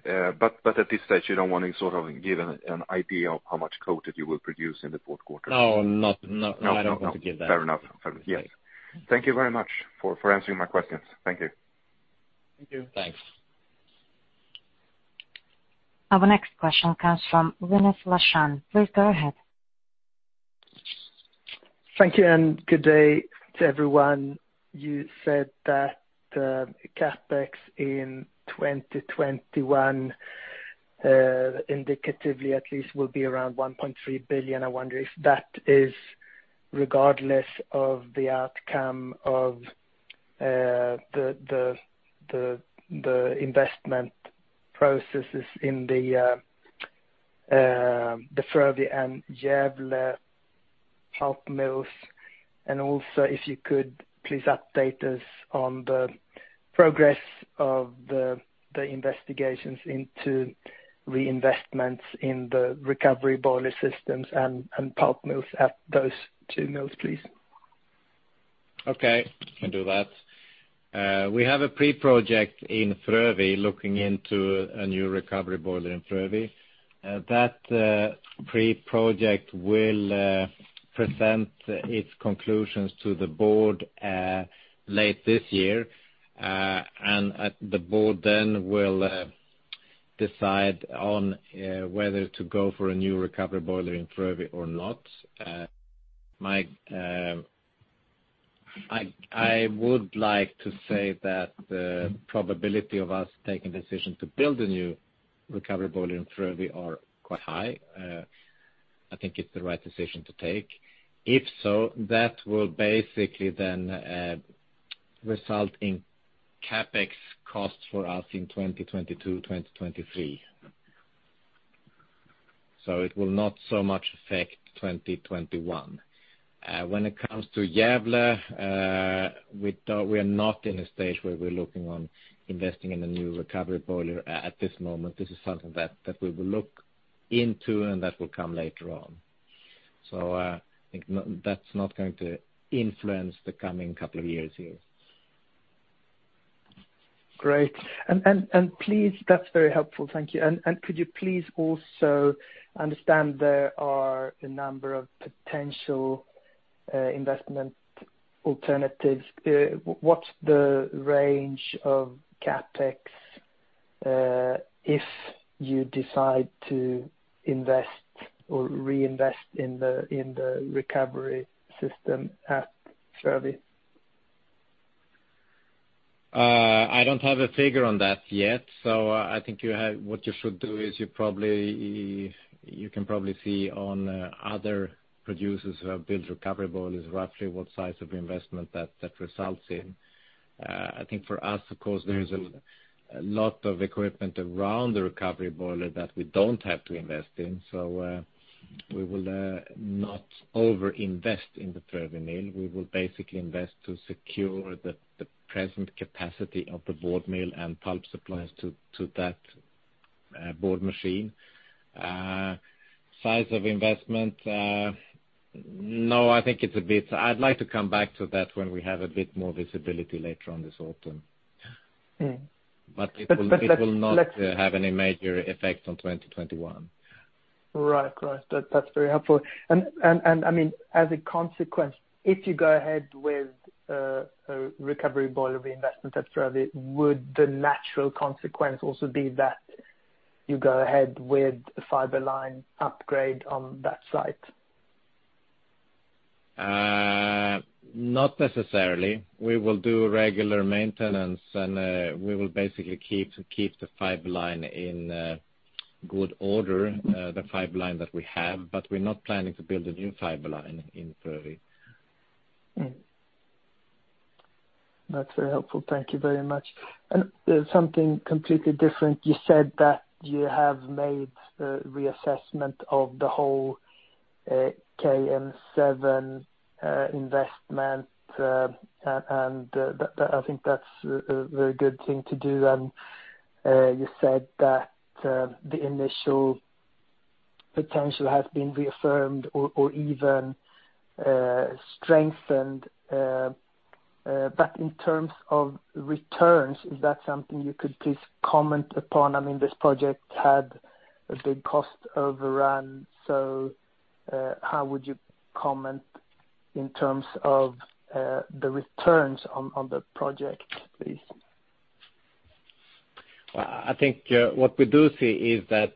At this stage, you don't want to give an idea of how much coated you will produce in the fourth quarter? No. I don't want to give that. Fair enough. Thank you very much for answering my questions. Thank you. Thank you. Thanks. Our next question comes from Lena Schattauer. Please go ahead. Thank you, and good day to everyone. You said that the CapEx in 2021 indicatively at least will be around 1.3 billion. I wonder if that is regardless of the outcome of the investment processes in the Frövi and Gävle pulp mills. Also, if you could please update us on the progress of the investigations into reinvestments in the recovery boiler systems and pulp mills at those two mills, please. Okay, I can do that. We have a pre-project in Frövi looking into a new recovery boiler in Frövi. That pre-project will present its conclusions to the board late this year, the board then will decide on whether to go for a new recovery boiler in Frövi or not. I would like to say that the probability of us taking decision to build a new recovery boiler in Frövi are quite high. I think it's the right decision to take. If so, that will basically then result in CapEx costs for us in 2022, 2023. It will not so much affect 2021. When it comes to Gävle, we are not in a stage where we're looking on investing in a new recovery boiler at this moment. This is something that we will look into and that will come later on. I think that's not going to influence the coming couple of years here. Great. That's very helpful. Thank you. Could you please also understand there are a number of potential investment alternatives. What's the range of CapEx if you decide to invest or reinvest in the recovery system at Frövi? I don't have a figure on that yet. I think what you should do is you can probably see on other producers who have built recovery boilers, roughly what size of investment that results in. I think for us, of course, there is a lot of equipment around the recovery boiler that we don't have to invest in. We will not over-invest in the Frövi mill. We will basically invest to secure the present capacity of the board mill and pulp supplies to that board machine. Size of investment, no, I think it's a bit I'd like to come back to that when we have a bit more visibility later on this autumn. It will not have any major effect on 2021. Right. That's very helpful. As a consequence, if you go ahead with a recovery boiler reinvestment at Frövi, would the natural consequence also be that you go ahead with a fiber line upgrade on that site? Not necessarily. We will do regular maintenance and we will basically keep the fiber line in good order, the fiber line that we have, but we're not planning to build a new fiber line in Frövi. Mm-hmm. That's very helpful. Thank you very much. Something completely different, you said that you have made a reassessment of the whole KM7 investment, and I think that's a very good thing to do, and you said that the initial potential has been reaffirmed or even strengthened. In terms of returns, is that something you could please comment upon? This project had a big cost overrun. How would you comment in terms of the returns on the project, please? I think what we do see is that,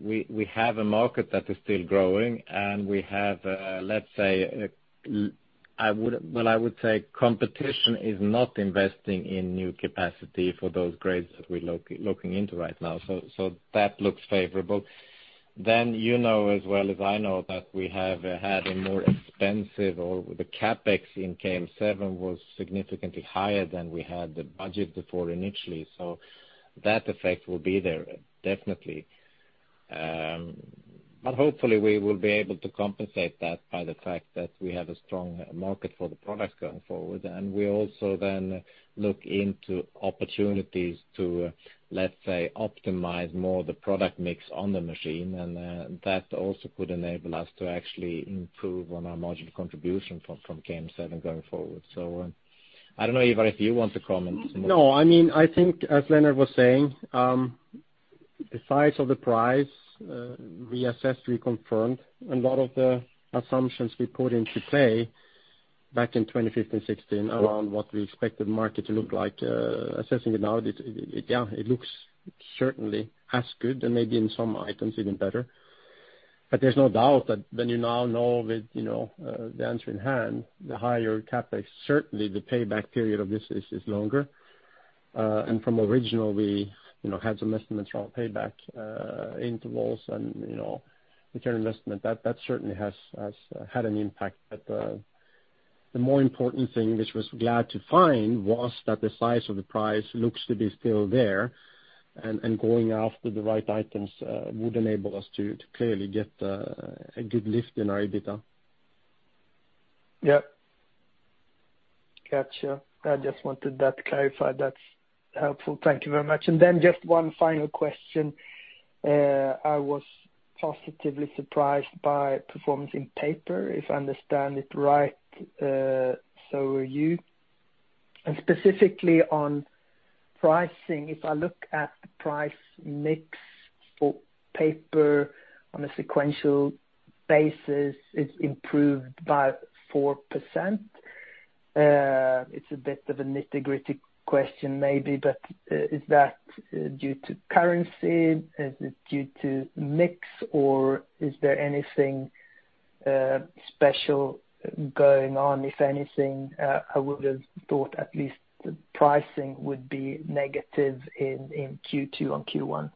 we have a market that is still growing, and we have, well, I would say competition is not investing in new capacity for those grades that we're looking into right now. That looks favorable. You know as well as I know that we have had a more expensive, or the CapEx in KM7 was significantly higher than we had the budget before initially. That effect will be there definitely. Hopefully we will be able to compensate that by the fact that we have a strong market for the product going forward. We also then look into opportunities to, let's say, optimize more the product mix on the machine. That also could enable us to actually improve on our marginal contribution from KM7 going forward. I don't know, Ivar, if you want to comment more. I think as Lennart was saying, the size of the price we assessed, we confirmed, and a lot of the assumptions we put into play back in 2015, 2016 around what we expected market to look like, assessing it now, it looks certainly as good and maybe in some items even better. There's no doubt that when you now know with the answer in hand, the higher CapEx, certainly the payback period of this is longer. From original we had some estimates around payback intervals and return on investment. That certainly has had an impact. The more important thing, which we're glad to find, was that the size of the price looks to be still there, and going after the right items would enable us to clearly get a good lift in our EBITDA. Yep. Got you. I just wanted that clarified. That's helpful. Thank you very much. Then just one final question. I was positively surprised by performance in Paper, if I understand it right, so were you. Specifically on pricing, if I look at the price mix for Paper on a sequential basis, it's improved by 4%. It's a bit of a nitty-gritty question maybe, but is that due to currency? Is it due to mix, or is there anything special going on? If anything, I would have thought at least the pricing would be negative in Q2 on Q1.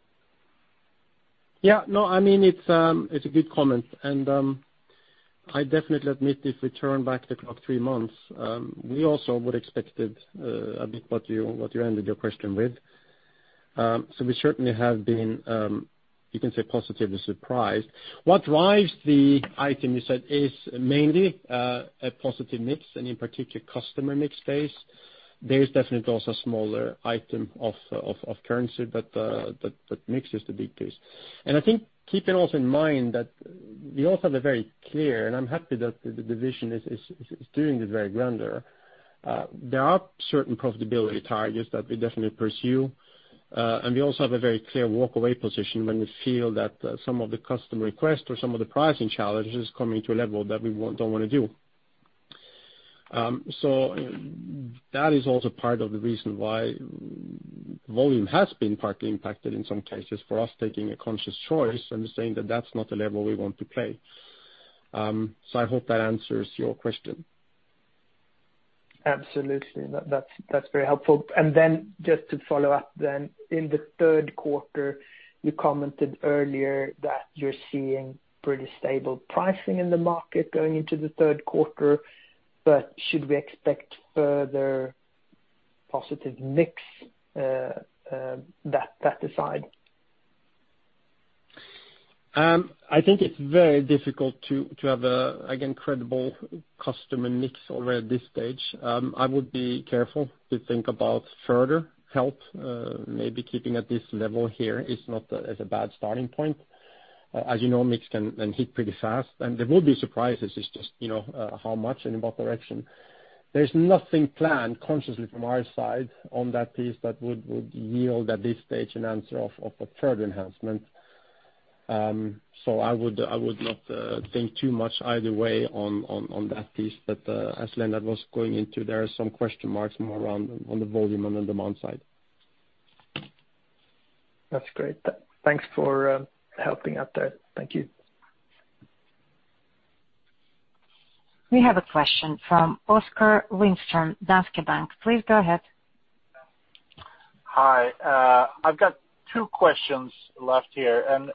Yeah. No, it's a good comment. I definitely admit if we turn back the clock three months, we also would expected a bit what you ended your question with. We certainly have been, you can say, positively surprised. What drives the item you said is mainly a positive mix and in particular customer mix base. There's definitely also a smaller item of currency, but mix is the big piece. I think keeping also in mind that we also have a very clear, and I'm happy that the division is doing this very [grand there]. There are certain profitability targets that we definitely pursue. We also have a very clear walk-away position when we feel that some of the customer requests or some of the pricing challenges coming to a level that we don't want to do. That is also part of the reason why. Volume has been partly impacted in some cases for us taking a conscious choice and saying that that's not the level we want to play. I hope that answers your question. Absolutely. That's very helpful. Just to follow up then, in the third quarter, you commented earlier that you're seeing pretty stable pricing in the market going into the third quarter, should we expect further positive mix, that aside? I think it's very difficult to have an credible customer mix already at this stage. I would be careful to think about further help, maybe keeping at this level here is not as a bad starting point. As you know, mix can hit pretty fast, and there will be surprises. It's just how much and in what direction. There's nothing planned consciously from our side on that piece that would yield at this stage an answer of a further enhancement. I would not think too much either way on that piece. As Lennart was going into, there are some question marks more around on the volume and the demand side. That's great. Thanks for helping out there. Thank you. We have a question from Oskar Lindström, Danske Bank. Please go ahead. Hi. I've got two questions left here, and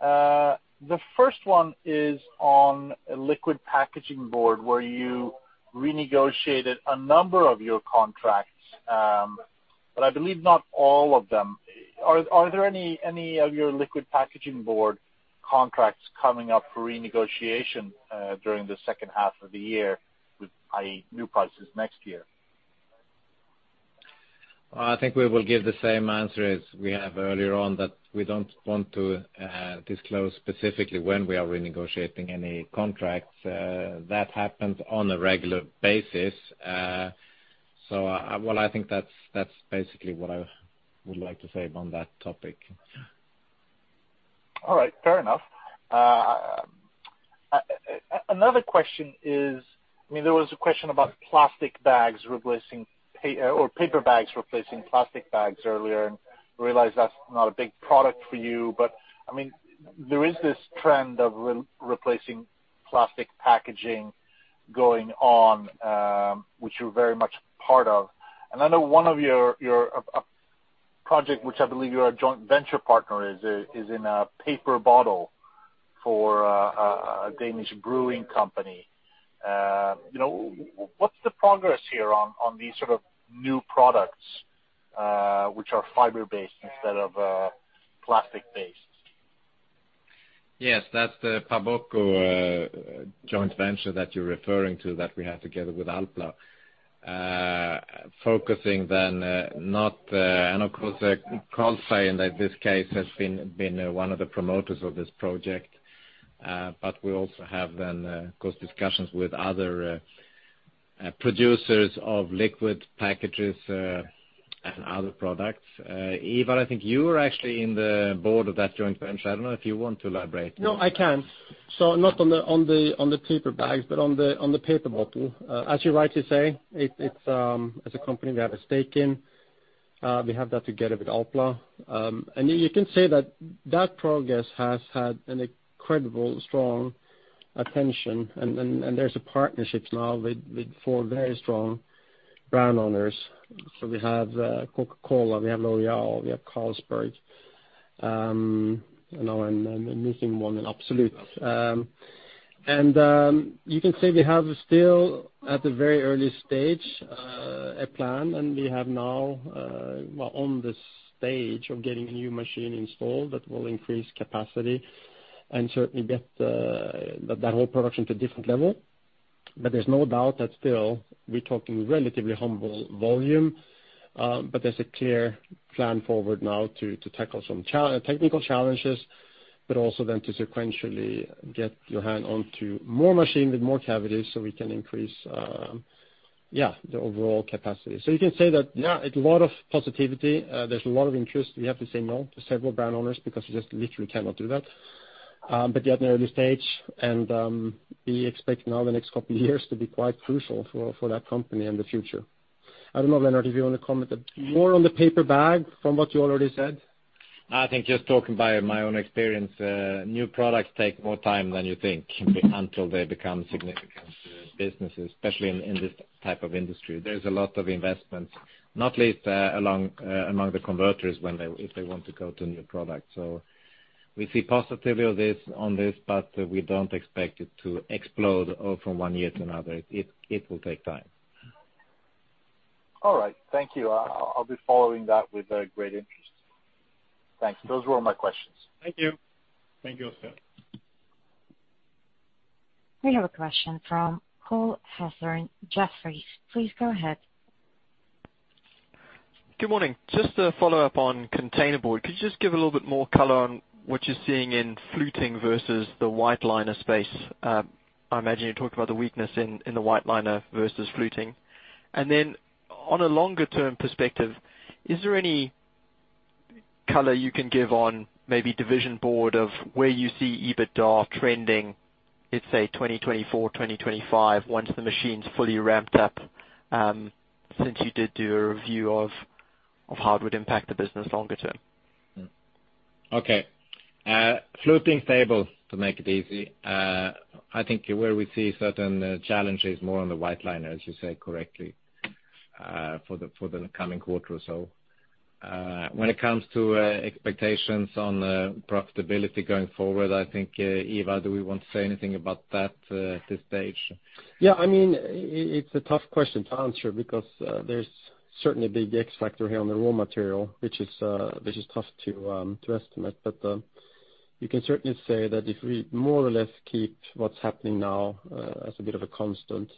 the first one is on liquid packaging board, where you renegotiated a number of your contracts, but I believe not all of them. Are there any of your liquid packaging board contracts coming up for renegotiation during the second half of the year? With, i.e., new prices next year? I think we will give the same answer as we have earlier on, that we don't want to disclose specifically when we are renegotiating any contracts. That happens on a regular basis. Well, I think that's basically what I would like to say on that topic. All right, fair enough. Another question is, there was a question about paper bags replacing plastic bags earlier, and I realize that's not a big product for you, but there is this trend of replacing plastic packaging going on, which you're very much part of. I know one of your project, which I believe you're a joint venture partner, is in a paper bottle for a Danish brewing company. What's the progress here on these sort of new products, which are fiber-based instead of plastic-based? Yes, that's the Paboco joint venture that you're referring to that we have together with Alpla. Of course, Carlsberg, in this case, has been one of the promoters of this project. We also have then, of course, discussions with other producers of liquid packages and other products. Ivar, I think you're actually in the board of that joint venture. I don't know if you want to elaborate. No, I can. Not on the paper bags, but on the paper bottle. As you rightly say, it's a company we have a stake in. We have that together with Alpla. You can say that that progress has had an incredible strong attention. There's a partnership now with four very strong brand owners. We have Coca-Cola, we have L'Oréal, we have Carlsberg, and I'm missing one, and Absolut. You can say we have still, at the very early stage, a plan, and we have now on the stage of getting a new machine installed that will increase capacity and certainly get that whole production to a different level. There's no doubt that still we're talking relatively humble volume. There's a clear plan forward now to tackle some technical challenges, also to sequentially get your hand onto more machine with more cavities so we can increase the overall capacity. You can say that, yeah, it's a lot of positivity. There's a lot of interest. We have to say no to several brand owners because we just literally cannot do that. You're at an early stage, and we expect now the next couple of years to be quite crucial for that company in the future. I don't know, Lennart, if you want to comment more on the paper bottle from what you already said. I think just talking by my own experience, new products take more time than you think until they become significant businesses, especially in this type of industry. There's a lot of investments, not least among the converters if they want to go to new products. We see positivity on this, but we don't expect it to explode from one year to another. It will take time. All right. Thank you. I'll be following that with great interest. Thanks. Those were all my questions. Thank you. Thank you, Oskar. We have a question from Cole Hathorn, Jefferies. Please go ahead. Good morning. Just to follow up on containerboard, could you just give a little bit more color on what you're seeing in fluting versus the white liner space? I imagine you talked about the weakness in the white liner versus fluting. Then on a longer term perspective, is there any color you can give on maybe Division Board of where you see EBITDA trending, let's say 2024, 2025, once the machine's fully ramped up, since you did do a review of how it would impact the business longer term. Okay. fluting stable, to make it easy. I think where we see certain challenges more on the white liner, as you say correctly, for the coming quarter or so. When it comes to expectations on profitability going forward, I think, Ivar, do we want to say anything about that this stage? Yeah. It's a tough question to answer because there's certainly a big X factor here on the raw material, which is tough to estimate. You can certainly say that if we more or less keep what's happening now as a bit of a constant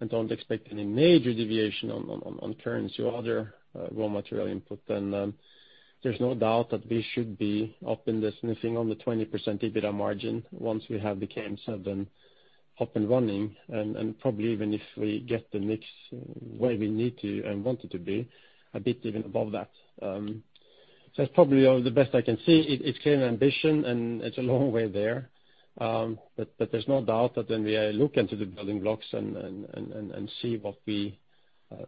and don't expect any major deviation on currency or other raw material input, then there's no doubt that we should be up in the sniffing on the 20% EBITDA margin once we have the KM7 up and running, and probably even if we get the mix where we need to and want it to be, a bit even above that. That's probably the best I can see. It's clear an ambition, and it's a long way there. There's no doubt that when we look into the building blocks and see what we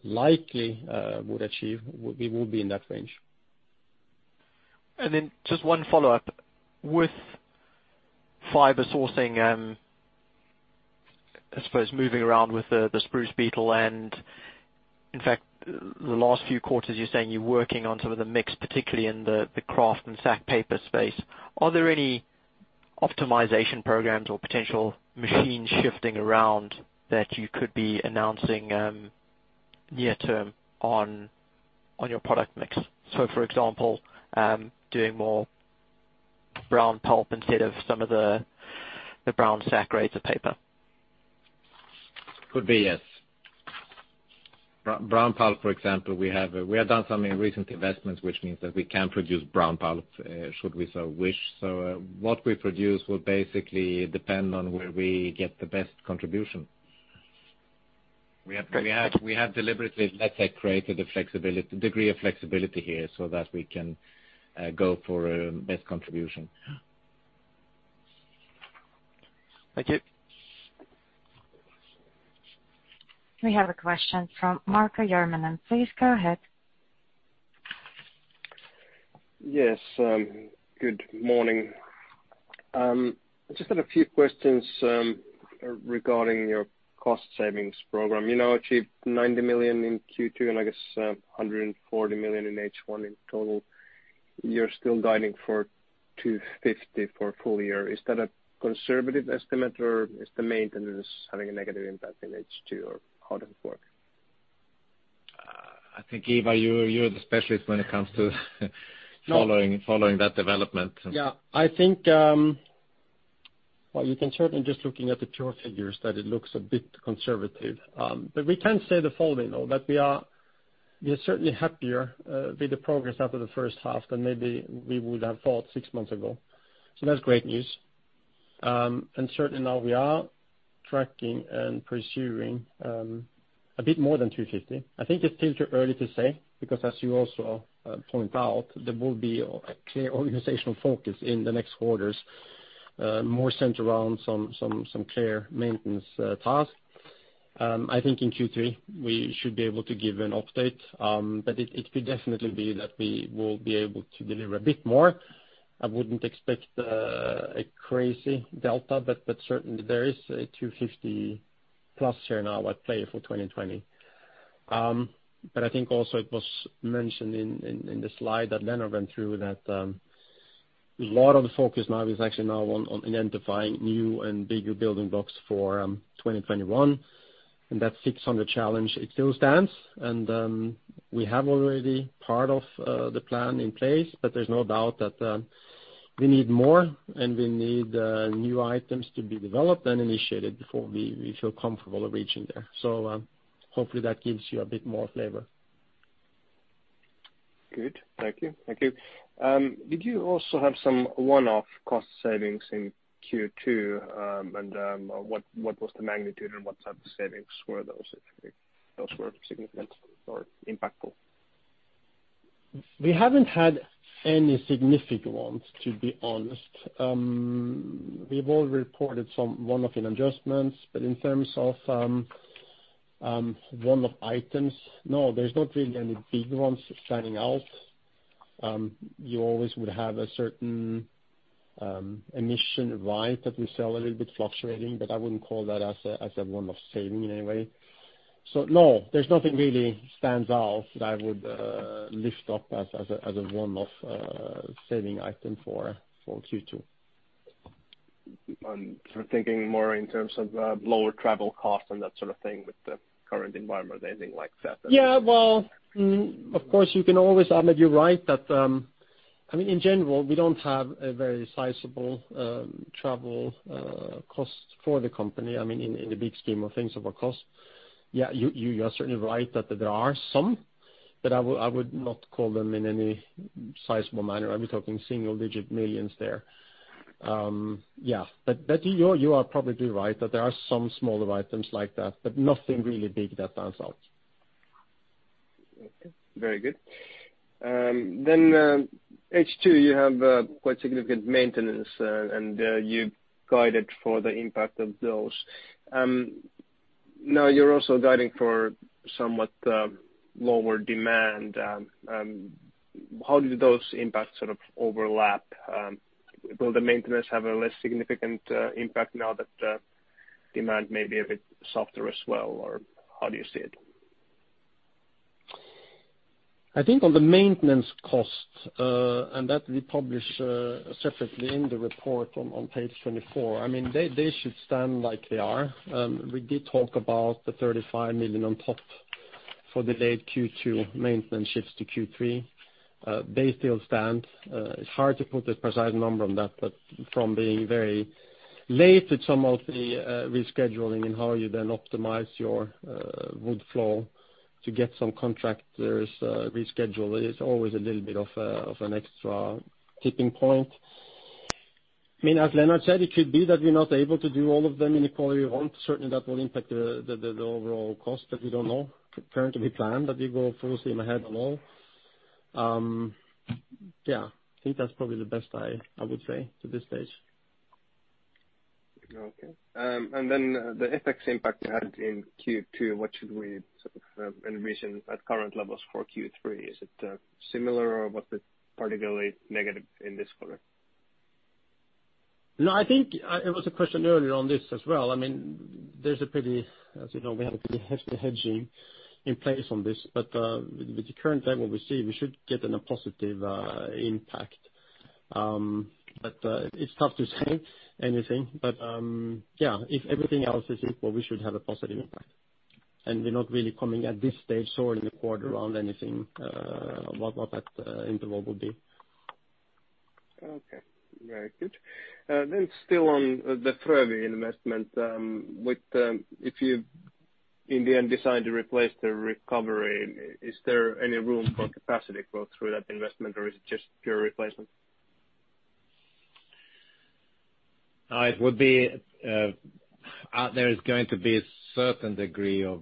likely would achieve, we will be in that range. Just one follow-up. With fiber sourcing, I suppose moving around with the spruce beetle, and in fact, the last few quarters, you're saying you're working on some of the mix, particularly in the kraft and sack paper space. Are there any optimization programs or potential machine shifting around that you could be announcing near term on your product mix? For example, doing more brown pulp instead of some of the brown sack kraft paper. Could be, yes. Brown pulp, for example, we have done some recent investments, which means that we can produce brown pulp, should we so wish. What we produce will basically depend on where we get the best contribution. We have deliberately, let's say, created a degree of flexibility here so that we can go for best contribution. Thank you. We have a question from Marko Järvinen. Please go ahead. Yes. Good morning. I just had a few questions regarding your cost savings program. You now achieved 90 million in Q2, and I guess 140 million in H1 in total. You're still guiding for 250 million for full year. Is that a conservative estimate, or is the maintenance having a negative impact in H2, or how does it work? I think, Ivar, you're the specialist when it comes to following that development. Yeah, I think, well, you can certainly, just looking at the pure figures, that it looks a bit conservative. We can say the following, though, that we are certainly happier with the progress after the first half than maybe we would have thought six months ago. That's great news. Certainly now we are tracking and pursuing a bit more than 250. I think it's still too early to say, because as you also point out, there will be a clear organizational focus in the next quarters, more centered around some clear maintenance tasks. I think in Q3, we should be able to give an update, but it could definitely be that we will be able to deliver a bit more. I wouldn't expect a crazy delta, but certainly there is a 250 plus here now at play for 2020. I think also it was mentioned in the slide that Lennart went through that a lot of the focus now is actually now on identifying new and bigger building blocks for 2021, and that [fix on the] challenge, it still stands. We have already part of the plan in place, but there's no doubt that we need more, and we need new items to be developed and initiated before we feel comfortable reaching there. Hopefully that gives you a bit more flavor. Good. Thank you. Did you also have some one-off cost savings in Q2? What was the magnitude and what type of savings were those if those were significant or impactful? We haven't had any significant ones, to be honest. We've all reported some one-off in adjustments, but in terms of one-off items, no, there's not really any big ones standing out. You always would have a certain emission right that we sell a little bit fluctuating, but I wouldn't call that as a one-off saving in any way. No, there's nothing really stands out that I would lift up as a one-off saving item for Q2. I'm sort of thinking more in terms of lower travel costs and that sort of thing with the current environment, anything like that. Yeah. Well, of course you can always [Ahmed], you're right that, in general, we don't have a very sizable travel cost for the company. In the big scheme of things, of our cost, you are certainly right that there are some, but I would not call them in any sizable manner. I'd be talking single digit millions there. Yeah. You are probably right that there are some smaller items like that, but nothing really big that stands out. Okay. Very good. H2, you have quite significant maintenance, and you guided for the impact of those. Now you're also guiding for somewhat lower demand. How do those impacts overlap? Will the maintenance have a less significant impact now that demand may be a bit softer as well? How do you see it? I think on the maintenance cost, that we publish separately in the report on page 24. They should stand like they are. We did talk about the 35 million on top for the late Q2 maintenance shifts to Q3. They still stand. It's hard to put a precise number on that, from being very late at some of the rescheduling and how you then optimize your wood flow to get some contractors rescheduled, it's always a little bit of an extra tipping point. As Lennart said, it could be that we're not able to do all of them in the quarter we want. Certainly, that will impact the overall cost, we don't know. Currently we plan that we go full steam ahead on all. Yeah. I think that's probably the best I would say to this stage. Okay. Then the FX impact you had in Q2, what should we sort of envision at current levels for Q3? Is it similar or was it particularly negative in this quarter? No, I think there was a question earlier on this as well. As you know, we have a pretty hefty hedging in place on this. With the current level we see, we should get in a positive impact. It's tough to say anything. Yeah, if everything else is equal, we should have a positive impact. We're not really coming at this stage or in the quarter on anything, what that interval would be. Okay. Very good. Still on the Frövi investment. If you in the end decide to replace the recovery, is there any room for capacity growth through that investment or is it just pure replacement? There is going to be a certain degree of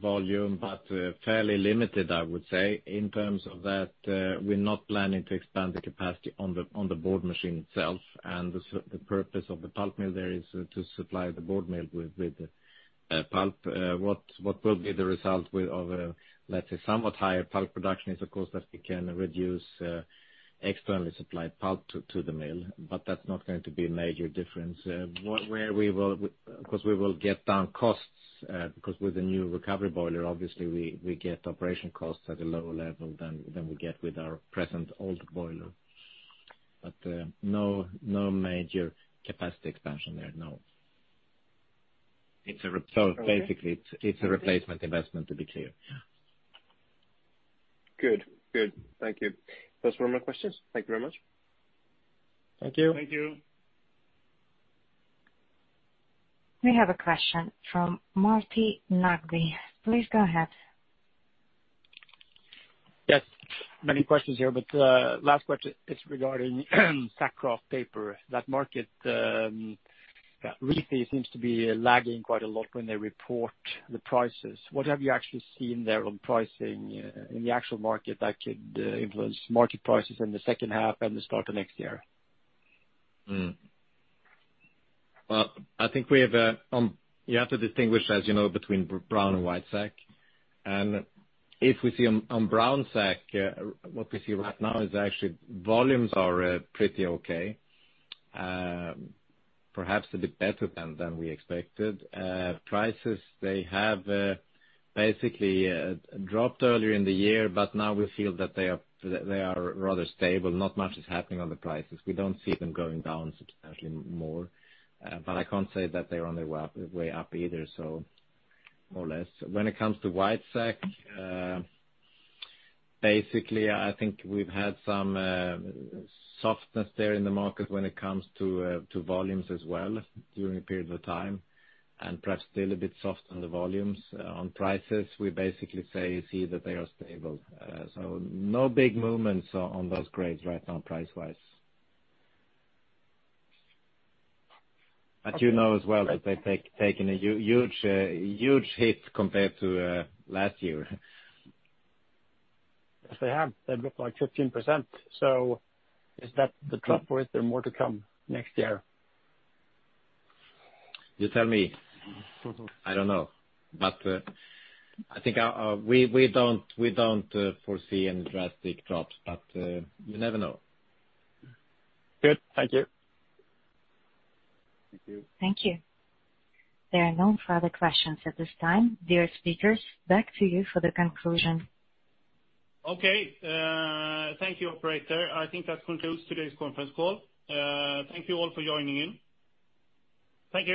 volume, but fairly limited, I would say, in terms of that we're not planning to expand the capacity on the Board machine itself. The purpose of the pulp mill there is to supply the board mill with pulp. What will be the result of, let's say, somewhat higher pulp production is, of course, that we can reduce externally supplied pulp to the mill. That's not going to be a major difference. Of course, we will get down costs, because with the new recovery boiler, obviously we get operation costs at a lower level than we get with our present old boiler. No major capacity expansion there, no. Basically, it's a replacement investment, to be clear. Yeah. Good. Thank you. Those were my questions. Thank you very much. Thank you. Thank you. We have a question from Martin Melbye. Please go ahead. Yes. Many questions here, last question is regarding sack kraft paper. That market really seems to be lagging quite a lot when they report the prices. What have you actually seen there on pricing in the actual market that could influence market prices in the second half and the start of next year? Well, you have to distinguish, as you know, between brown and white sack. If we see on brown sack, what we see right now is actually volumes are pretty okay. Perhaps a bit better than we expected. Prices, they have basically dropped earlier in the year, but now we feel that they are rather stable. Not much is happening on the prices. We don't see them going down substantially more. I can't say that they're on their way up either, so more or less. When it comes to white sack, basically, I think we've had some softness there in the market when it comes to volumes as well during a period of time, and perhaps still a bit soft on the volumes. On prices, we basically see that they are stable. No big movements on those grades right now, price-wise. You know as well that they've taken a huge hit compared to last year. Yes, they have. They've dropped like 15%. Is that the trough or is there more to come next year? You tell me. I don't know. I think we don't foresee any drastic drops, but you never know. Good. Thank you. Thank you. Thank you. There are no further questions at this time. Dear speakers, back to you for the conclusion. Okay. Thank you, operator. I think that concludes today's conference call. Thank you all for joining in. Thank you.